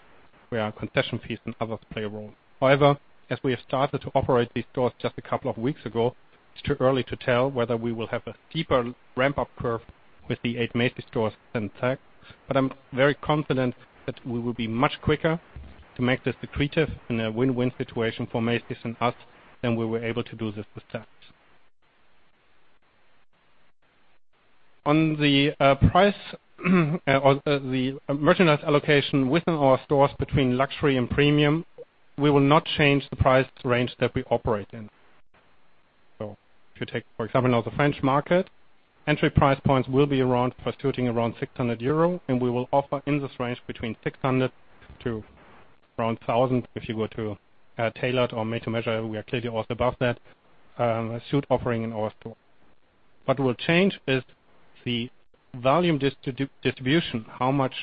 where our concession fees and others play a role. As we have started to operate these stores just a couple of weeks ago, it's too early to tell whether we will have a steeper ramp-up curve with the eight Macy's stores than Saks. I'm very confident that we will be much quicker to make this accretive in a win-win situation for Macy's and us than we were able to do this with Saks. On the price, the merchandise allocation within our stores between luxury and premium, we will not change the price range that we operate in. If you take, for example, now the French market, entry price points will be around for suiting around 600 euro, and we will offer in this range between 600-1,000 if you go to tailored or made to measure. We are clearly also above that suit offering in our store. What will change is the volume distribution. How much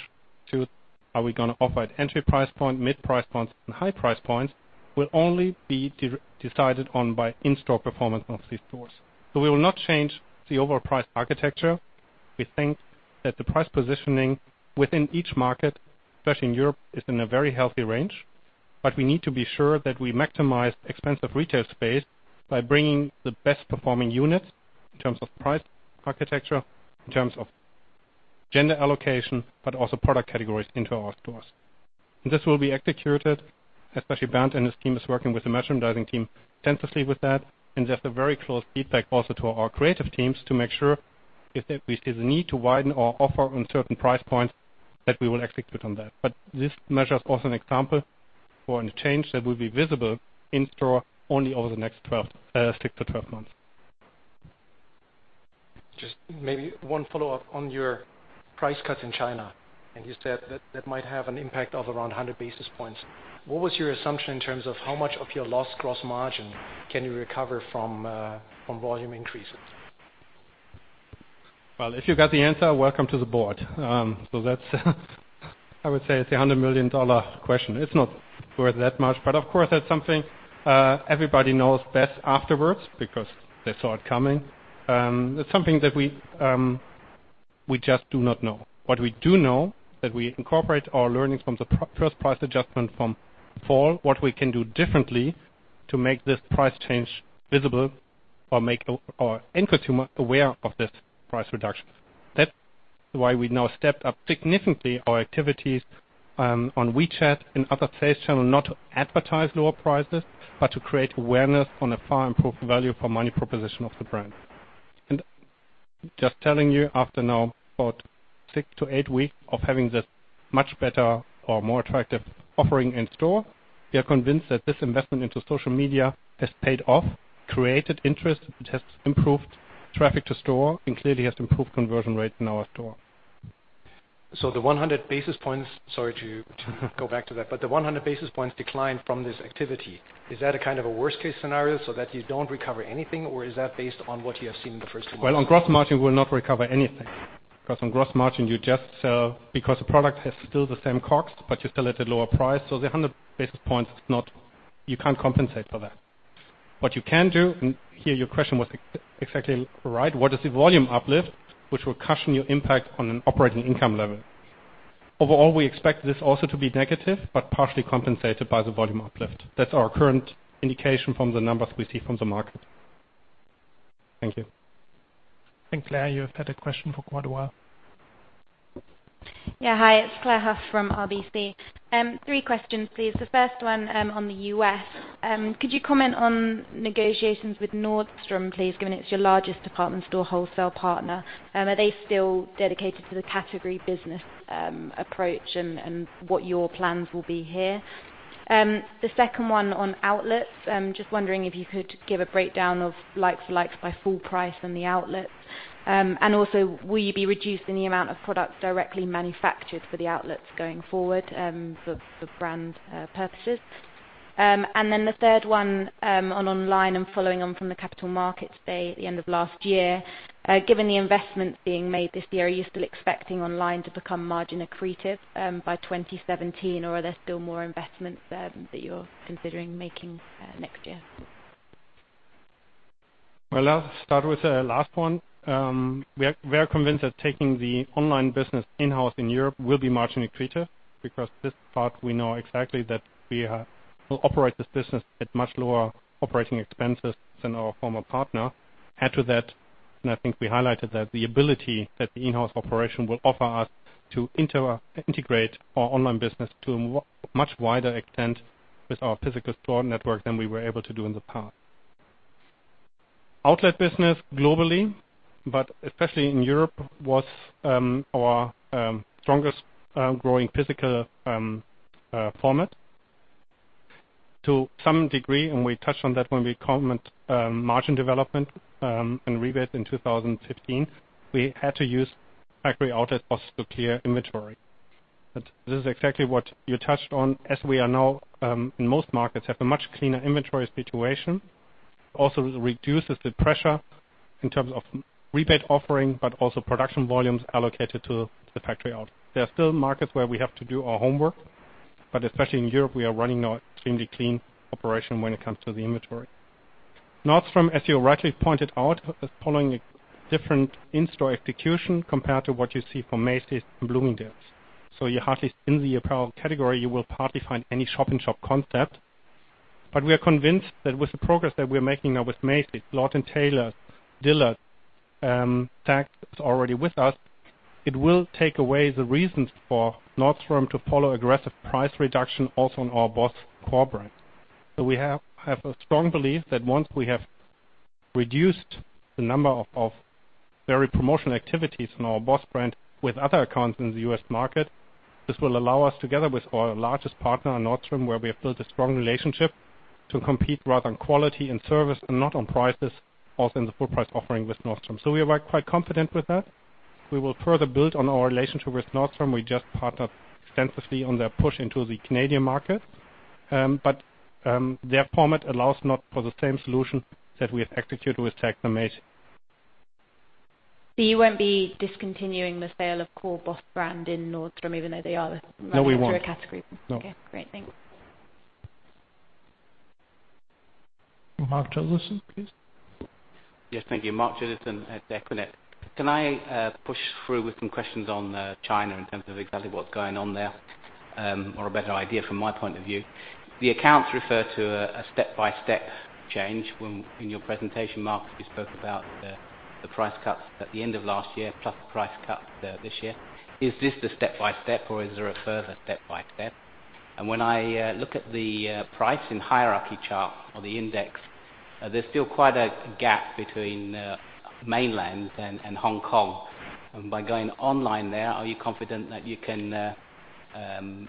suits are we going to offer at entry price point, mid price points and high price points will only be decided on by in-store performance of these stores. We will not change the overall price architecture. We think that the price positioning within each market, especially in Europe, is in a very healthy range. We need to be sure that we maximize expensive retail space by bringing the best performing units in terms of price architecture, in terms of gender allocation, but also product categories into our stores. This will be executed, especially Bernd and his team is working with the merchandising team extensively with that, and there's a very close feedback also to our creative teams to make sure if we see the need to widen our offer on certain price points, that we will execute on that. This measure is also an example for a change that will be visible in store only over the next six to 12 months. Just maybe one follow-up on your price cuts in China. You said that that might have an impact of around 100 basis points. What was your assumption in terms of how much of your lost gross margin can you recover from volume increases? Well, if you got the answer, welcome to the board. I would say it's the $100 million question. It's not worth that much. Of course, that's something everybody knows best afterwards because they saw it coming. It's something that we just do not know. What we do know, that we incorporate our learnings from the first price adjustment from fall, what we can do differently to make this price change visible or make our end consumer aware of this price reduction. That's why we now stepped up significantly our activities on WeChat and other sales channel, not to advertise lower prices, but to create awareness on a far improved value for money proposition of the brand. Just telling you after now, about six to eight weeks of having this much better or more attractive offering in store, we are convinced that this investment into social media has paid off, created interest, it has improved traffic to store, and clearly has improved conversion rate in our store. The 100 basis points, sorry to go back to that, the 100 basis points decline from this activity, is that a kind of a worst case scenario so that you don't recover anything or is that based on what you have seen in the first two months? Well, on gross margin we will not recover anything. Because on gross margin, you just sell because the product has still the same COGS, but you sell at a lower price, so the 100 basis points, you cannot compensate for that. What you can do, and here your question was exactly right, what is the volume uplift, which will cushion your impact on an operating income level? Overall, we expect this also to be negative, but partially compensated by the volume uplift. That's our current indication from the numbers we see from the market. Thank you. I think Clare, you have had a question for quite a while. Yeah. Hi, it's Clare Huff from RBC. Three questions, please. The first one on the U.S. Could you comment on negotiations with Nordstrom, please, given it's your largest department store wholesale partner? Are they still dedicated to the category business approach and what your plans will be here? The second one on outlets. Just wondering if you could give a breakdown of likes by full price and the outlets. Also, will you be reducing the amount of products directly manufactured for the outlets going forward, for brand purchases? Then the third one, on online and following on from the capital markets day at the end of last year. Given the investments being made this year, are you still expecting online to become margin accretive by 2017 or are there still more investments that you're considering making next year? I'll start with the last one. We are convinced that taking the online business in-house in Europe will be margin accretive because this part we know exactly that we will operate this business at much lower operating expenses than our former partner. Add to that, I think we highlighted that the ability that the in-house operation will offer us to integrate our online business to a much wider extent with our physical store network than we were able to do in the past. Outlet business globally, but especially in Europe, was our strongest growing physical format. To some degree, we touched on that when we comment margin development and rebates in 2015, we had to use factory outlet BOSS to clear inventory. This is exactly what you touched on as we are now, in most markets, have a much cleaner inventory situation. Also reduces the pressure in terms of rebate offering, but also production volumes allocated to the factory outlet. There are still markets where we have to do our homework, but especially in Europe, we are running an extremely clean operation when it comes to the inventory. Nordstrom, as you rightly pointed out, is following a different in-store execution compared to what you see from Macy's and Bloomingdale's. You hardly, in the apparel category, you will hardly find any shop-in-shop concept. We are convinced that with the progress that we're making now with Macy's, Lord & Taylor, Dillard's, and Saks is already with us, it will take away the reasons for Nordstrom to follow aggressive price reduction also on our BOSS core brand. We have a strong belief that once we have reduced the number of very promotional activities in our BOSS brand with other accounts in the U.S. market, this will allow us together with our largest partner, Nordstrom, where we have built a strong relationship to compete rather on quality and service and not on prices, also in the full price offering with Nordstrom. We are quite confident with that. We will further build on our relationship with Nordstrom. We just partnered extensively on their push into the Canadian market. Their format allows not for the same solution that we have executed with Saks and Macy's. You won't be discontinuing the sale of core BOSS brand in Nordstrom, even though they are? No, we won't. Running through a category? No. Okay, great. Thanks. Mark Allison, please. Yes. Thank you. Mark Allison at equinet Bank. Can I push through with some questions on China in terms of exactly what is going on there? Or a better idea from my point of view. The accounts refer to a step-by-step change. When in your presentation, Mark, you spoke about the price cuts at the end of last year, plus the price cut this year. Is this the step-by-step or is there a further step-by-step? When I look at the pricing hierarchy chart or the index, there is still quite a gap between Mainland and Hong Kong. By going online there, are you confident that you can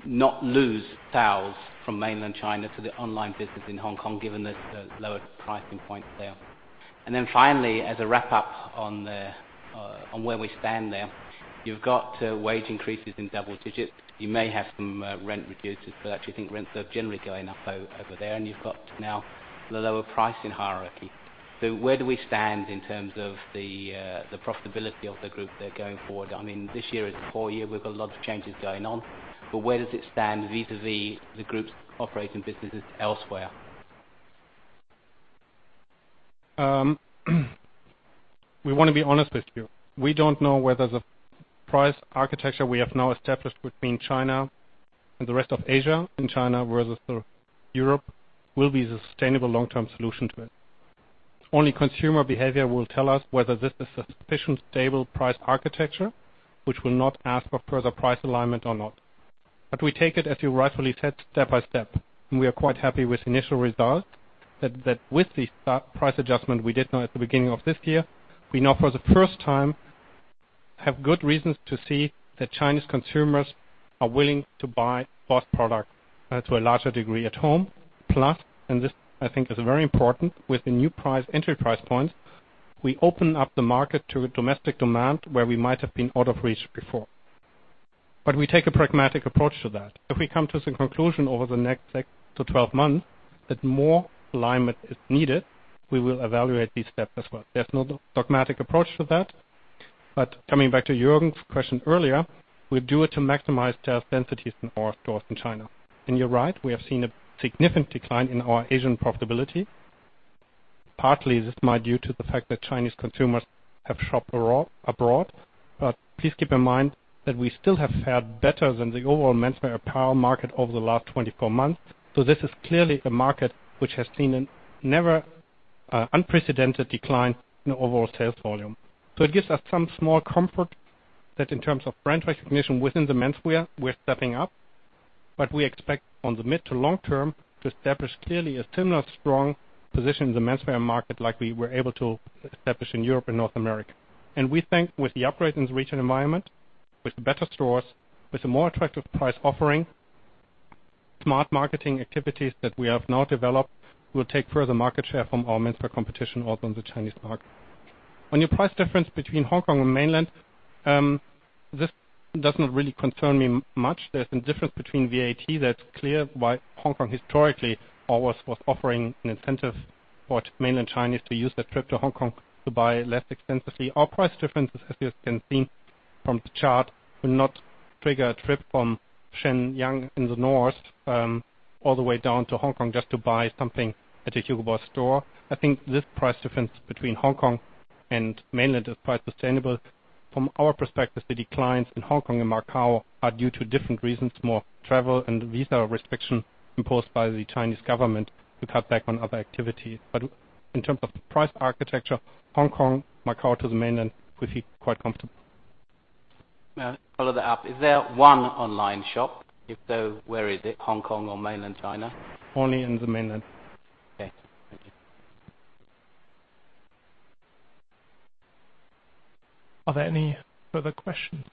not lose sales from Mainland China to the online business in Hong Kong given the lower pricing point there? Finally, as a wrap-up on where we stand there. You have got wage increases in double digits. You may have some rent reduces, but actually I think rents are generally going up over there. You have got now the lower pricing hierarchy. Where do we stand in terms of the profitability of the group there going forward? This year is a poor year. We have got lots of changes going on. Where does it stand vis-a-vis the group's operating businesses elsewhere? We want to be honest with you. We do not know whether the price architecture we have now established between China and the rest of Asia, and China versus Europe, will be a sustainable long-term solution to it. Only consumer behavior will tell us whether this is a sufficient stable price architecture, which will not ask for further price alignment or not. We take it, as you rightfully said, step by step, and we are quite happy with initial results, that with the price adjustment we did now at the beginning of this year. We now for the first time have good reasons to see that Chinese consumers are willing to buy BOSS product to a larger degree at home. Plus, this I think is very important, with the new entry price points, we open up the market to domestic demand where we might have been out of reach before. We take a pragmatic approach to that. If we come to the conclusion over the next 6-12 months that more alignment is needed, we will evaluate these steps as well. There is no dogmatic approach to that. Coming back to Jürgen's question earlier, we do it to maximize sales densities in our stores in China. You are right, we have seen a significant decline in our Asian profitability. Partly, this might be due to the fact that Chinese consumers have shopped abroad. Please keep in mind that we still have fared better than the overall menswear apparel market over the last 24 months. This is clearly a market which has seen an unprecedented decline in overall sales volume. It gives us some small comfort that in terms of brand recognition within the menswear, we're stepping up. We expect on the mid to long term to establish clearly a similar strong position in the menswear market like we were able to establish in Europe and North America. We think with the upgrade in the regional environment, with the better stores, with the more attractive price offering, smart marketing activities that we have now developed, we'll take further market share from our menswear competition out on the Chinese market. On your price difference between Hong Kong and Mainland, this does not really concern me much. There's some difference between VAT, that's clear, why Hong Kong historically always was offering an incentive for Mainland Chinese to use that trip to Hong Kong to buy less expensively. Our price differences, as you can see from the chart, will not trigger a trip from Shenyang in the north, all the way down to Hong Kong just to buy something at a Hugo Boss store. I think this price difference between Hong Kong and Mainland is quite sustainable. From our perspective, the declines in Hong Kong and Macau are due to different reasons, more travel and visa restrictions imposed by the Chinese government to cut back on other activity. In terms of price architecture, Hong Kong, Macau to the Mainland, we feel quite comfortable. May I just follow that up. Is there one online shop? If so, where is it? Hong Kong or Mainland China? Only in the Mainland. Okay. Thank you. Are there any further questions?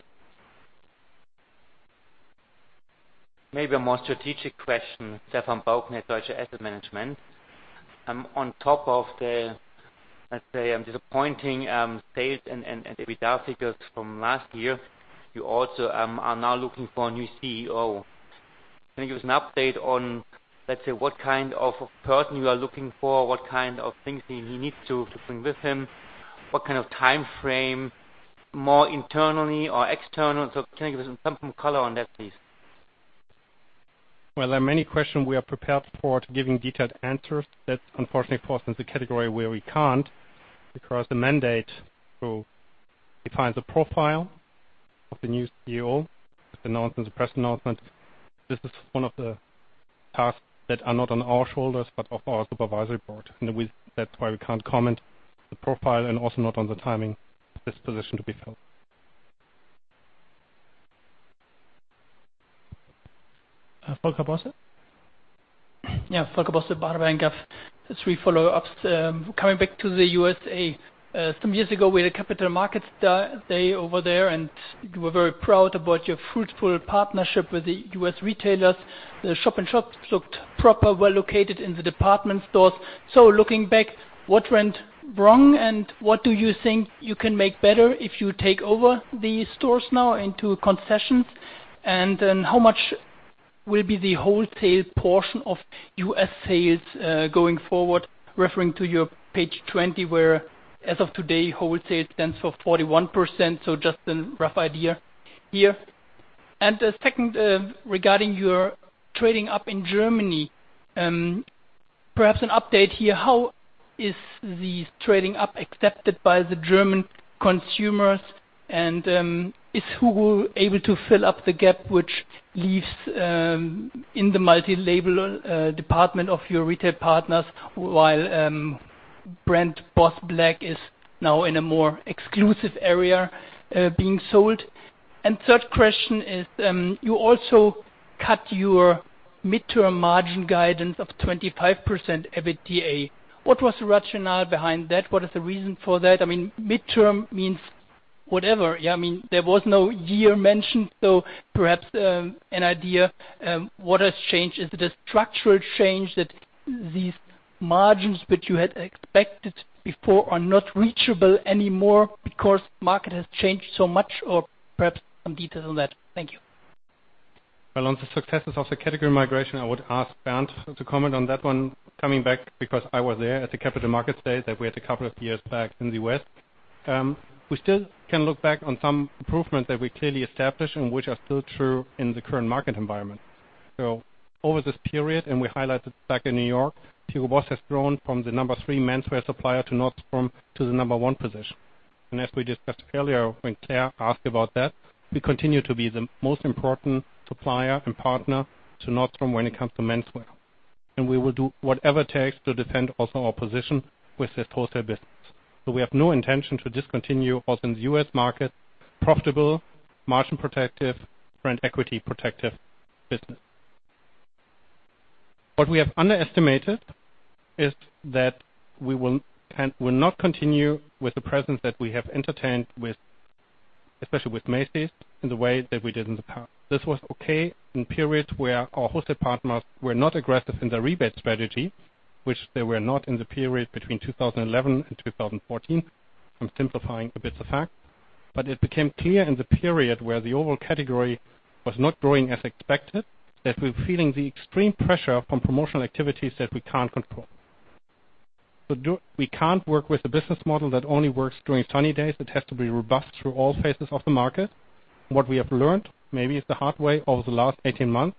Maybe a more strategic question, Stefan-Günter Bauknecht, Deutsche Asset Management. On top of the, let's say, disappointing sales and EBITDA figures from last year, you also are now looking for a new CEO. Can you give us an update on, let's say, what kind of person you are looking for, what kind of things he needs to bring with him? What kind of timeframe, more internally or external? Can you give us some color on that, please? Well, there are many questions we are prepared for to giving detailed answers. That unfortunately falls into the category where we can't, because the mandate who defines the profile of the new CEO, as announced in the press announcement. This is one of the tasks that are not on our shoulders, but of our supervisory board. That's why we can't comment the profile and also not on the timing for this position to be filled. Volker Bosse? Yeah. Volker Bosse, Baader Bank. Three follow-ups. Coming back to the U.S.A. Some years ago, we had a capital markets day over there, and you were very proud about your fruitful partnership with the U.S. retailers. The shop-in-shop looked proper, well located in the department stores. Looking back, what went wrong and what do you think you can make better if you take over these stores now into concessions? How much will be the wholesale portion of U.S. sales, going forward? Referring to your page 20, where as of today, wholesale stands for 41%. Just a rough idea here. The second, regarding your trading up in Germany. Perhaps an update here. How is the trading up accepted by the German consumers? Is HUGO able to fill up the gap which leaves, in the multi-label department of your retail partners, while brand BOSS Black is now in a more exclusive area, being sold. Third question is, you also cut your midterm margin guidance of 25% EBITDA. What was the rationale behind that? What is the reason for that? Midterm means whatever. There was no year mentioned. Perhaps, an idea. What has changed? Is it a structural change that these margins which you had expected before are not reachable anymore because market has changed so much? Perhaps some details on that. Thank you. Well, on the successes of the category migration, I would ask Bernd to comment on that one. Coming back, because I was there at the Capital Markets Day that we had a couple of years back in the West. We still can look back on some improvements that we clearly established and which are still true in the current market environment. Over this period, we highlighted back in New York, Hugo Boss has grown from the number three menswear supplier to Nordstrom to the number one position. As we discussed earlier, when Clare asked about that, we continue to be the most important supplier and partner to Nordstrom when it comes to menswear. We will do whatever it takes to defend also our position with this wholesale business. We have no intention to discontinue within the U.S. market, profitable, margin protective, brand equity protective business. What we have underestimated is that we will not continue with the presence that we have entertained, especially with Macy's', in the way that we did in the past. This was okay in periods where our wholesale partners were not aggressive in their rebate strategy, which they were not in the period between 2011 and 2014. I'm simplifying a bit of fact. It became clear in the period where the overall category was not growing as expected, that we're feeling the extreme pressure from promotional activities that we can't control. We can't work with a business model that only works during sunny days. It has to be robust through all phases of the market. What we have learned, maybe the hard way, over the last 18 months,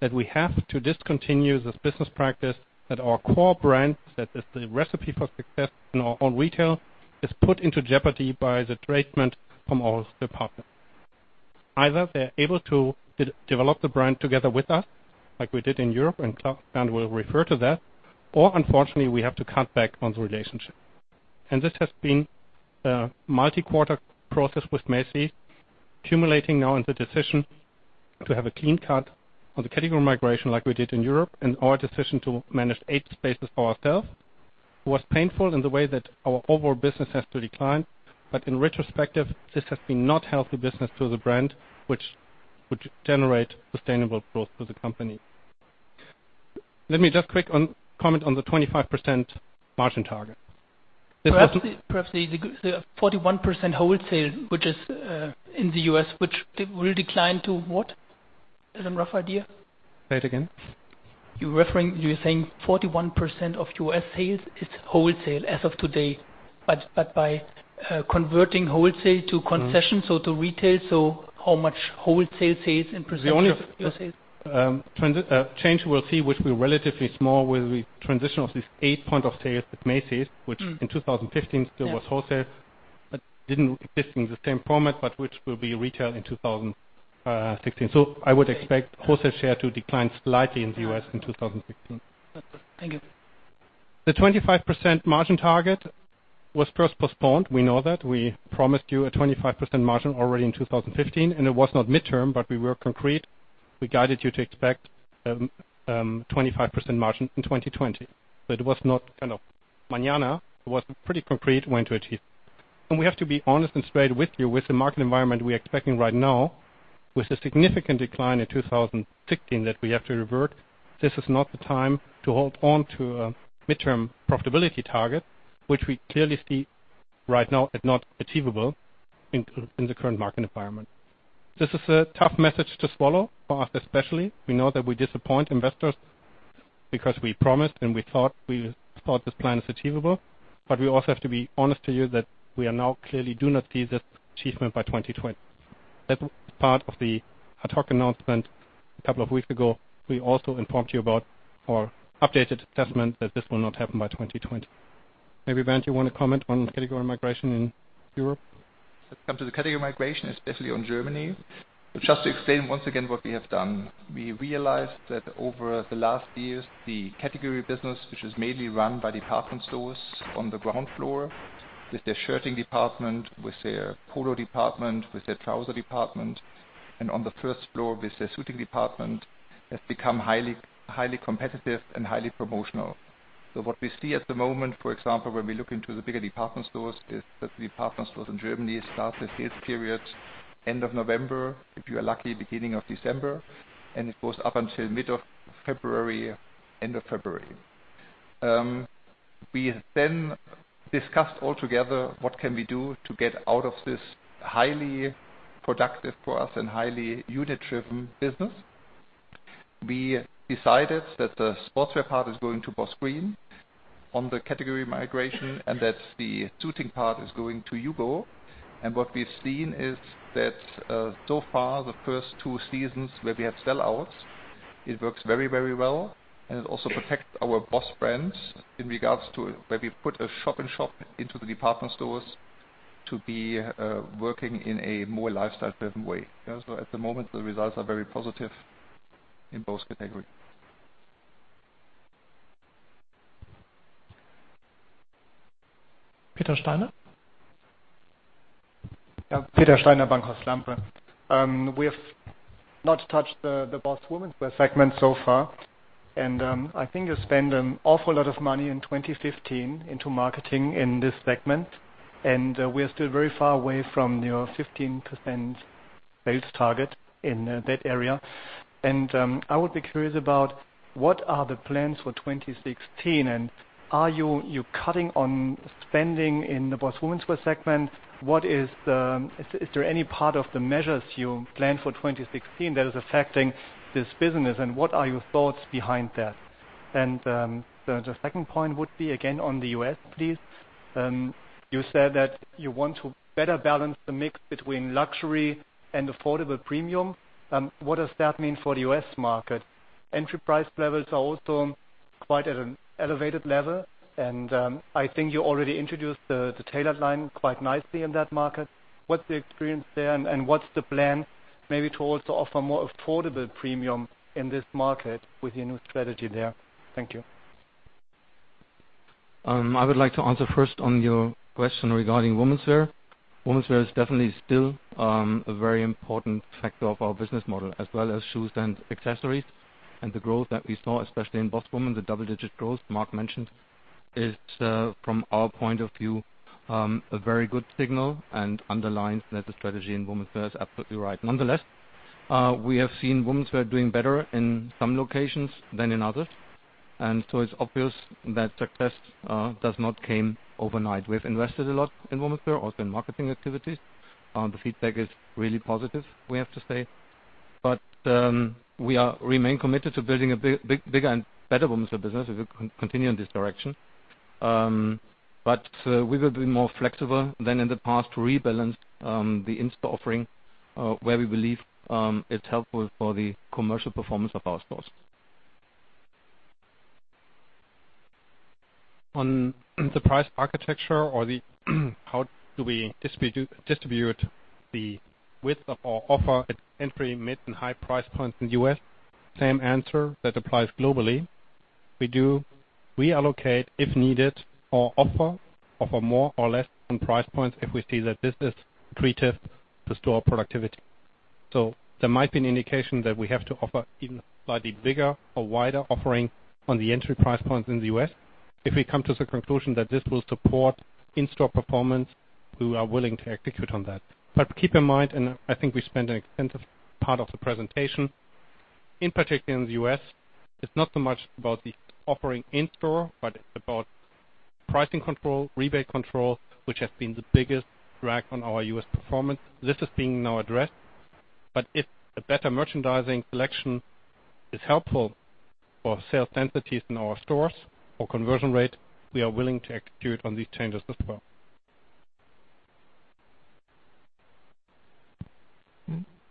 that we have to discontinue this business practice at our core brands, that is the recipe for success in our own retail, is put into jeopardy by the treatment from all the partners. Either they're able to develop the brand together with us, like we did in Europe, and Clare will refer to that, or unfortunately, we have to cut back on the relationship. This has been a multi-quarter process with Macy's, accumulating now in the decision to have a clean cut on the category migration like we did in Europe. Our decision to manage eight spaces for ourselves was painful in the way that our overall business has to decline. In retrospective, this has been not healthy business to the brand, which would generate sustainable growth for the company. Let me just quickly comment on the 25% margin target. Perhaps the 41% wholesale, which is in the U.S., which will decline to what? As a rough idea. Say it again. You're saying 41% of U.S. sales is wholesale as of today. By converting wholesale to concessions or to retail, how much wholesale sales in percentage of your sales? The only change we'll see, which will be relatively small, will be transition of these 8 point of sales with Macy's, which in 2015 still was wholesale, but didn't exist in the same format, but which will be retail in 2016. I would expect wholesale share to decline slightly in the U.S. in 2016. Thank you. The 25% margin target was first postponed. We know that. We promised you a 25% margin already in 2015, it was not midterm, but we were concrete. We guided you to expect a 25% margin in 2020. It was not manana. It was pretty concrete when to achieve. We have to be honest and straight with you, with the market environment we're expecting right now, with a significant decline in 2016 that we have to revert. This is not the time to hold on to a midterm profitability target, which we clearly see right now is not achievable in the current market environment. This is a tough message to swallow for us, especially. We know that we disappoint investors because we promised and we thought this plan is achievable. We also have to be honest to you that we are now clearly do not see this achievement by 2020. That's part of the ad hoc announcement a couple of weeks ago. We also informed you about our updated assessment that this will not happen by 2020. Maybe Bernd, you want to comment on category migration in Europe? When it comes to the category migration, especially on Germany. Just to explain once again what we have done. We realized that over the last years, the category business, which is mainly run by department stores on the ground floor, with their shirting department, with their polo department, with their trouser department, and on the first floor with their suiting department, has become highly competitive and highly promotional. What we see at the moment, for example, when we look into the bigger department stores, is that department stores in Germany start the sales period end of November, if you are lucky, beginning of December, and it goes up until mid of February, end of February. We discussed all together, what can we do to get out of this highly productive for us and highly unit-driven business. We decided that the sportswear part is going to BOSS Green on the category migration, and that the suiting part is going to HUGO. What we've seen is that so far, the first two seasons where we have sellouts, it works very well and it also protects our BOSS brands in regards to where we put a shop-in-shop into the department stores to be working in a more lifestyle-driven way. At the moment, the results are very positive in both categories. Peter Steiner. Yeah. Peter Steiner, Bankhaus Lampe. We have not touched the BOSS Womenswear segment so far. I think you spend an awful lot of money in 2015 into marketing in this segment, and we are still very far away from your 15% based target in that area. I would be curious about what are the plans for 2016, and are you cutting on spending in the BOSS Womenswear segment? Is there any part of the measures you plan for 2016 that is affecting this business, and what are your thoughts behind that? The second point would be, again, on the U.S., please. You said that you want to better balance the mix between luxury and affordable premium. What does that mean for the U.S. market? Entry price levels are also quite at an elevated level, and I think you already introduced the tailored line quite nicely in that market. What's the experience there, and what's the plan maybe to also offer more affordable premium in this market with your new strategy there? Thank you. I would like to answer first on your question regarding womenswear. Womenswear is definitely still a very important factor of our business model, as well as shoes and accessories. The growth that we saw, especially in BOSS Womenswear, the double-digit growth Mark mentioned, is from our point of view, a very good signal and underlines that the strategy in womenswear is absolutely right. Nonetheless, we have seen womenswear doing better in some locations than in others, it's obvious that success does not come overnight. We've invested a lot in womenswear, also in marketing activities. The feedback is really positive, we have to say. We remain committed to building a bigger and better womenswear business as we continue in this direction. We will be more flexible than in the past to rebalance the in-store offering, where we believe it's helpful for the commercial performance of our stores. On the price architecture or how do we distribute the width of our offer at entry, mid, and high price points in the U.S., same answer that applies globally. We do reallocate, if needed, our offer of a more or less on price points if we see that this is treated to store productivity. There might be an indication that we have to offer even slightly bigger or wider offering on the entry price points in the U.S. If we come to the conclusion that this will support in-store performance, we are willing to execute on that. Keep in mind, and I think we spent an extensive part of the presentation, in particular in the U.S., it's not so much about the offering in store, but about pricing control, rebate control, which has been the biggest drag on our U.S. performance. This is being now addressed. If a better merchandising selection is helpful for sales densities in our stores or conversion rate, we are willing to execute on these changes as well.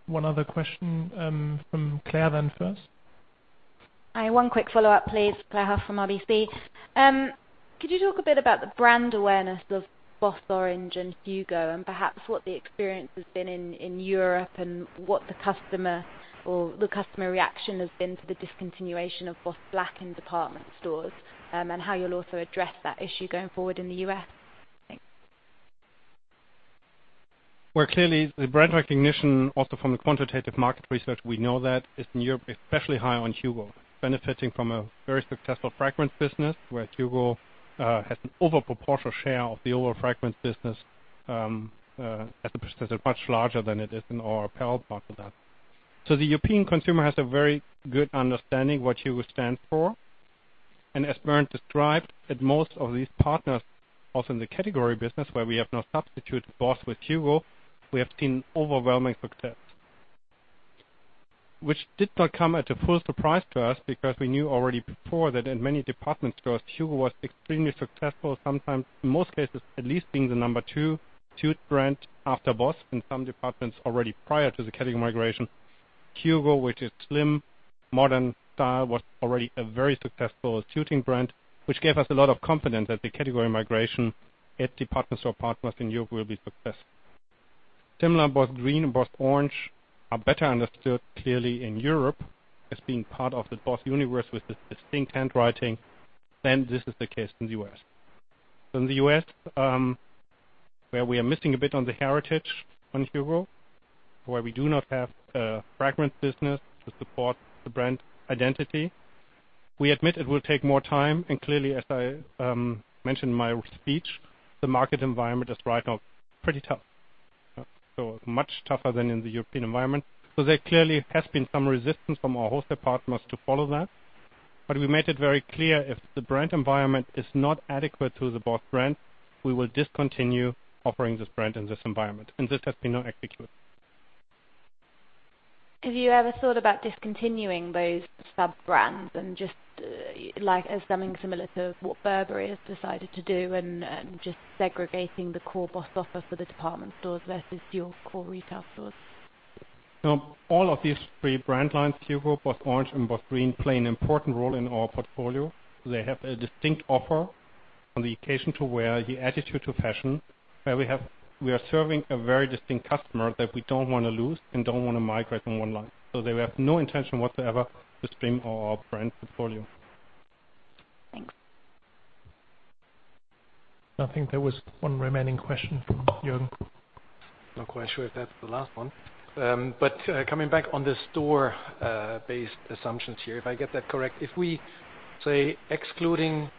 One other question from Clare then first. Hi, one quick follow-up, please. Clare Huff from RBC. Could you talk a bit about the brand awareness of BOSS Orange and HUGO, and perhaps what the experience has been in Europe and what the customer or the customer reaction has been to the discontinuation of BOSS Black in department stores, and how you'll also address that issue going forward in the U.S.? Thanks. Well, clearly the brand recognition, also from the quantitative market research we know that, is in Europe, especially high on HUGO. Benefiting from a very successful fragrance business where HUGO has an over-proportional share of the overall fragrance business, as a percentage much larger than it is in our apparel part of that. The European consumer has a very good understanding what HUGO stands for. As Bernd described, at most of these partners, also in the category business where we have now substituted BOSS with HUGO, we have seen overwhelming success. Which did not come at a full surprise to us, because we knew already before that in many department stores, HUGO was extremely successful, sometimes in most cases at least being the number 2 suit brand after BOSS in some departments already prior to the category migration. HUGO, with its slim, modern style, was already a very successful suiting brand, which gave us a lot of confidence that the category migration at department store partners in Europe will be successful. Similar BOSS Green and BOSS Orange are better understood, clearly, in Europe as being part of the BOSS universe with a distinct handwriting than this is the case in the U.S. In the U.S., where we are missing a bit on the heritage on HUGO, where we do not have a fragrance business to support the brand identity, we admit it will take more time. Clearly, as I mentioned in my speech, the market environment is right now pretty tough. Much tougher than in the European environment. There clearly has been some resistance from our wholesale partners to follow that. We made it very clear if the brand environment is not adequate to the BOSS brand, we will discontinue offering this brand in this environment, and this has been now executed. Have you ever thought about discontinuing those sub-brands and just like, as something similar to what Burberry has decided to do and just segregating the core BOSS offer for the department stores versus your core retail stores? No. All of these three brand lines, HUGO, BOSS Orange and BOSS Green, play an important role in our portfolio. They have a distinct offer on the occasion to where the attitude to fashion, where we are serving a very distinct customer that we don't want to lose and don't want to migrate in one line. There, we have no intention whatsoever to stream our brand portfolio. Thanks. I think there was one remaining question from Jürgen. Not quite sure if that's the last one. Coming back on the store-based assumptions here, if I get that correct. If we say excluding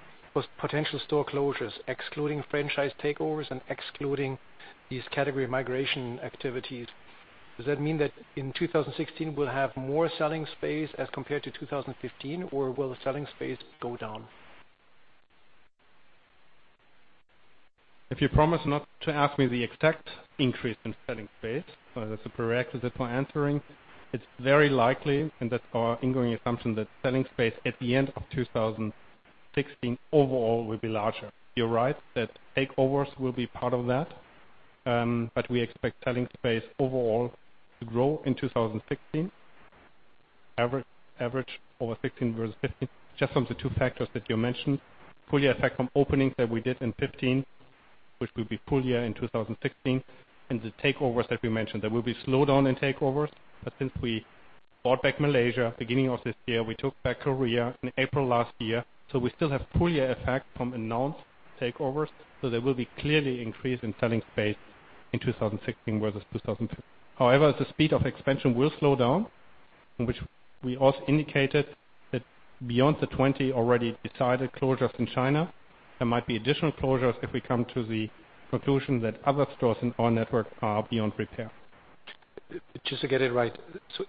potential store closures, excluding franchise takeovers and excluding these category migration activities, does that mean that in 2016 we'll have more selling space as compared to 2015, or will the selling space go down? If you promise not to ask me the exact increase in selling space, that's a prerequisite for answering. It's very likely, and that's our ongoing assumption, that selling space at the end of 2016 overall will be larger. You're right, that takeovers will be part of that, but we expect selling space overall to grow in 2016. Average over 2016 versus 2015, just from the two factors that you mentioned, full-year effect from openings that we did in 2015, which will be full-year in 2016. The takeovers that we mentioned. There will be slowdown in takeovers, but since we bought back Malaysia, beginning of this year, we took back Korea in April last year, so we still have full-year effect from announced takeovers. There will be clearly increase in selling space in 2016 versus 2015. However, the speed of expansion will slow down, in which we also indicated that beyond the 20 already decided closures in China, there might be additional closures if we come to the conclusion that other stores in our network are beyond repair. Just to get it right.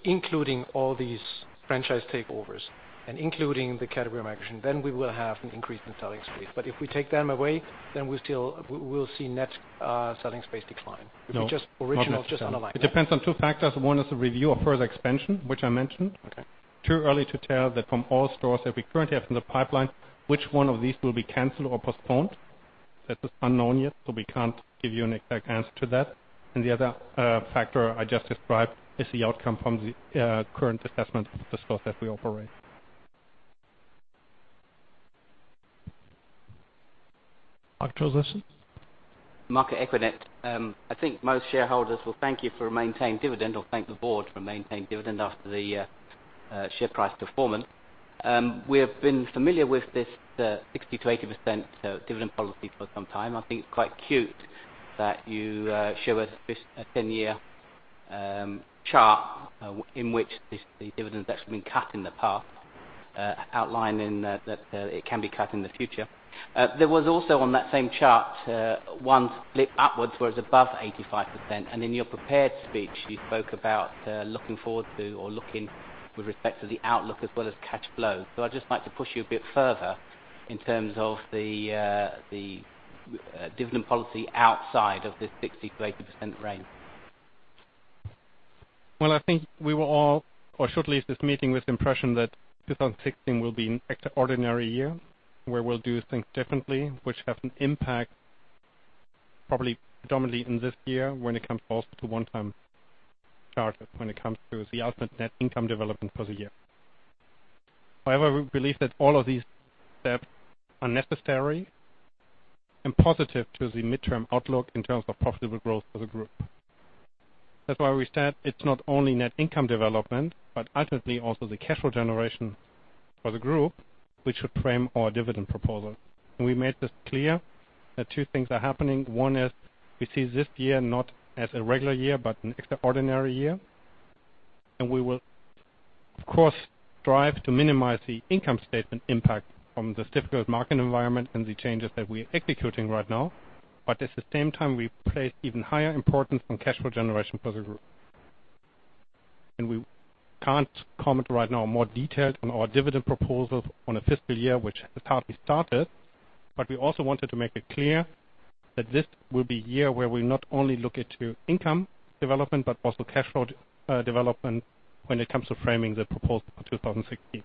Including all these franchise takeovers and including the category migration, then we will have an increase in selling space. If we take them away, then we'll see net selling space decline. No. Just original, just underline that. It depends on two factors. One is the review of further expansion, which I mentioned. Okay. Too early to tell that from all stores that we currently have in the pipeline, which one of these will be canceled or postponed. That is unknown yet, so we can't give you an exact answer to that. The other factor I just described is the outcome from the current assessment of the stores that we operate. Mark Allison. Mark at equinet. I think most shareholders will thank you for maintaining dividend or thank the board for maintaining dividend after the share price performance. We have been familiar with this 60%-80% dividend policy for some time. I think it's quite cute that you show us this 10-year chart in which the dividend has actually been cut in the past, outlining that it can be cut in the future. There was also on that same chart, one split upwards where it's above 85%, and in your prepared speech, you spoke about looking forward to or looking with respect to the outlook as well as cash flow. I'd just like to push you a bit further in terms of the dividend policy outside of this 60%-80% range. I think we will all, or shortly leave this meeting with the impression that 2016 will be an extraordinary year, where we'll do things differently, which have an impact probably predominantly in this year when it comes also to one-time charges when it comes to the ultimate net income development for the year. However, we believe that all of these steps are necessary and positive to the midterm outlook in terms of profitable growth for the group. That's why we said it's not only net income development, but ultimately also the cash flow generation for the group, which should frame our dividend proposal. We made this clear that two things are happening. One is we see this year not as a regular year, but an extraordinary year. We will, of course, strive to minimize the income statement impact from this difficult market environment and the changes that we are executing right now. At the same time, we place even higher importance on cash flow generation for the group. We can't comment right now more detailed on our dividend proposals on a fiscal year, which has hardly started. We also wanted to make it clear that this will be a year where we not only look into income development, but also cash flow development when it comes to framing the proposal for 2016.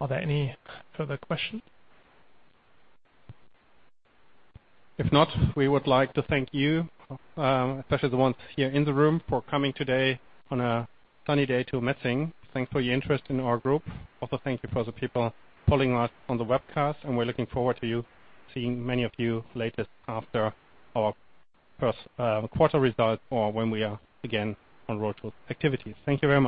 Are there any further questions? If not, we would like to thank you, especially the ones here in the room, for coming today on a sunny day to Metzingen. Thanks for your interest in our group. Also, thank you for the people following us on the webcast, and we're looking forward to seeing many of you later after our first quarter results or when we are again on roadshow activities. Thank you very much.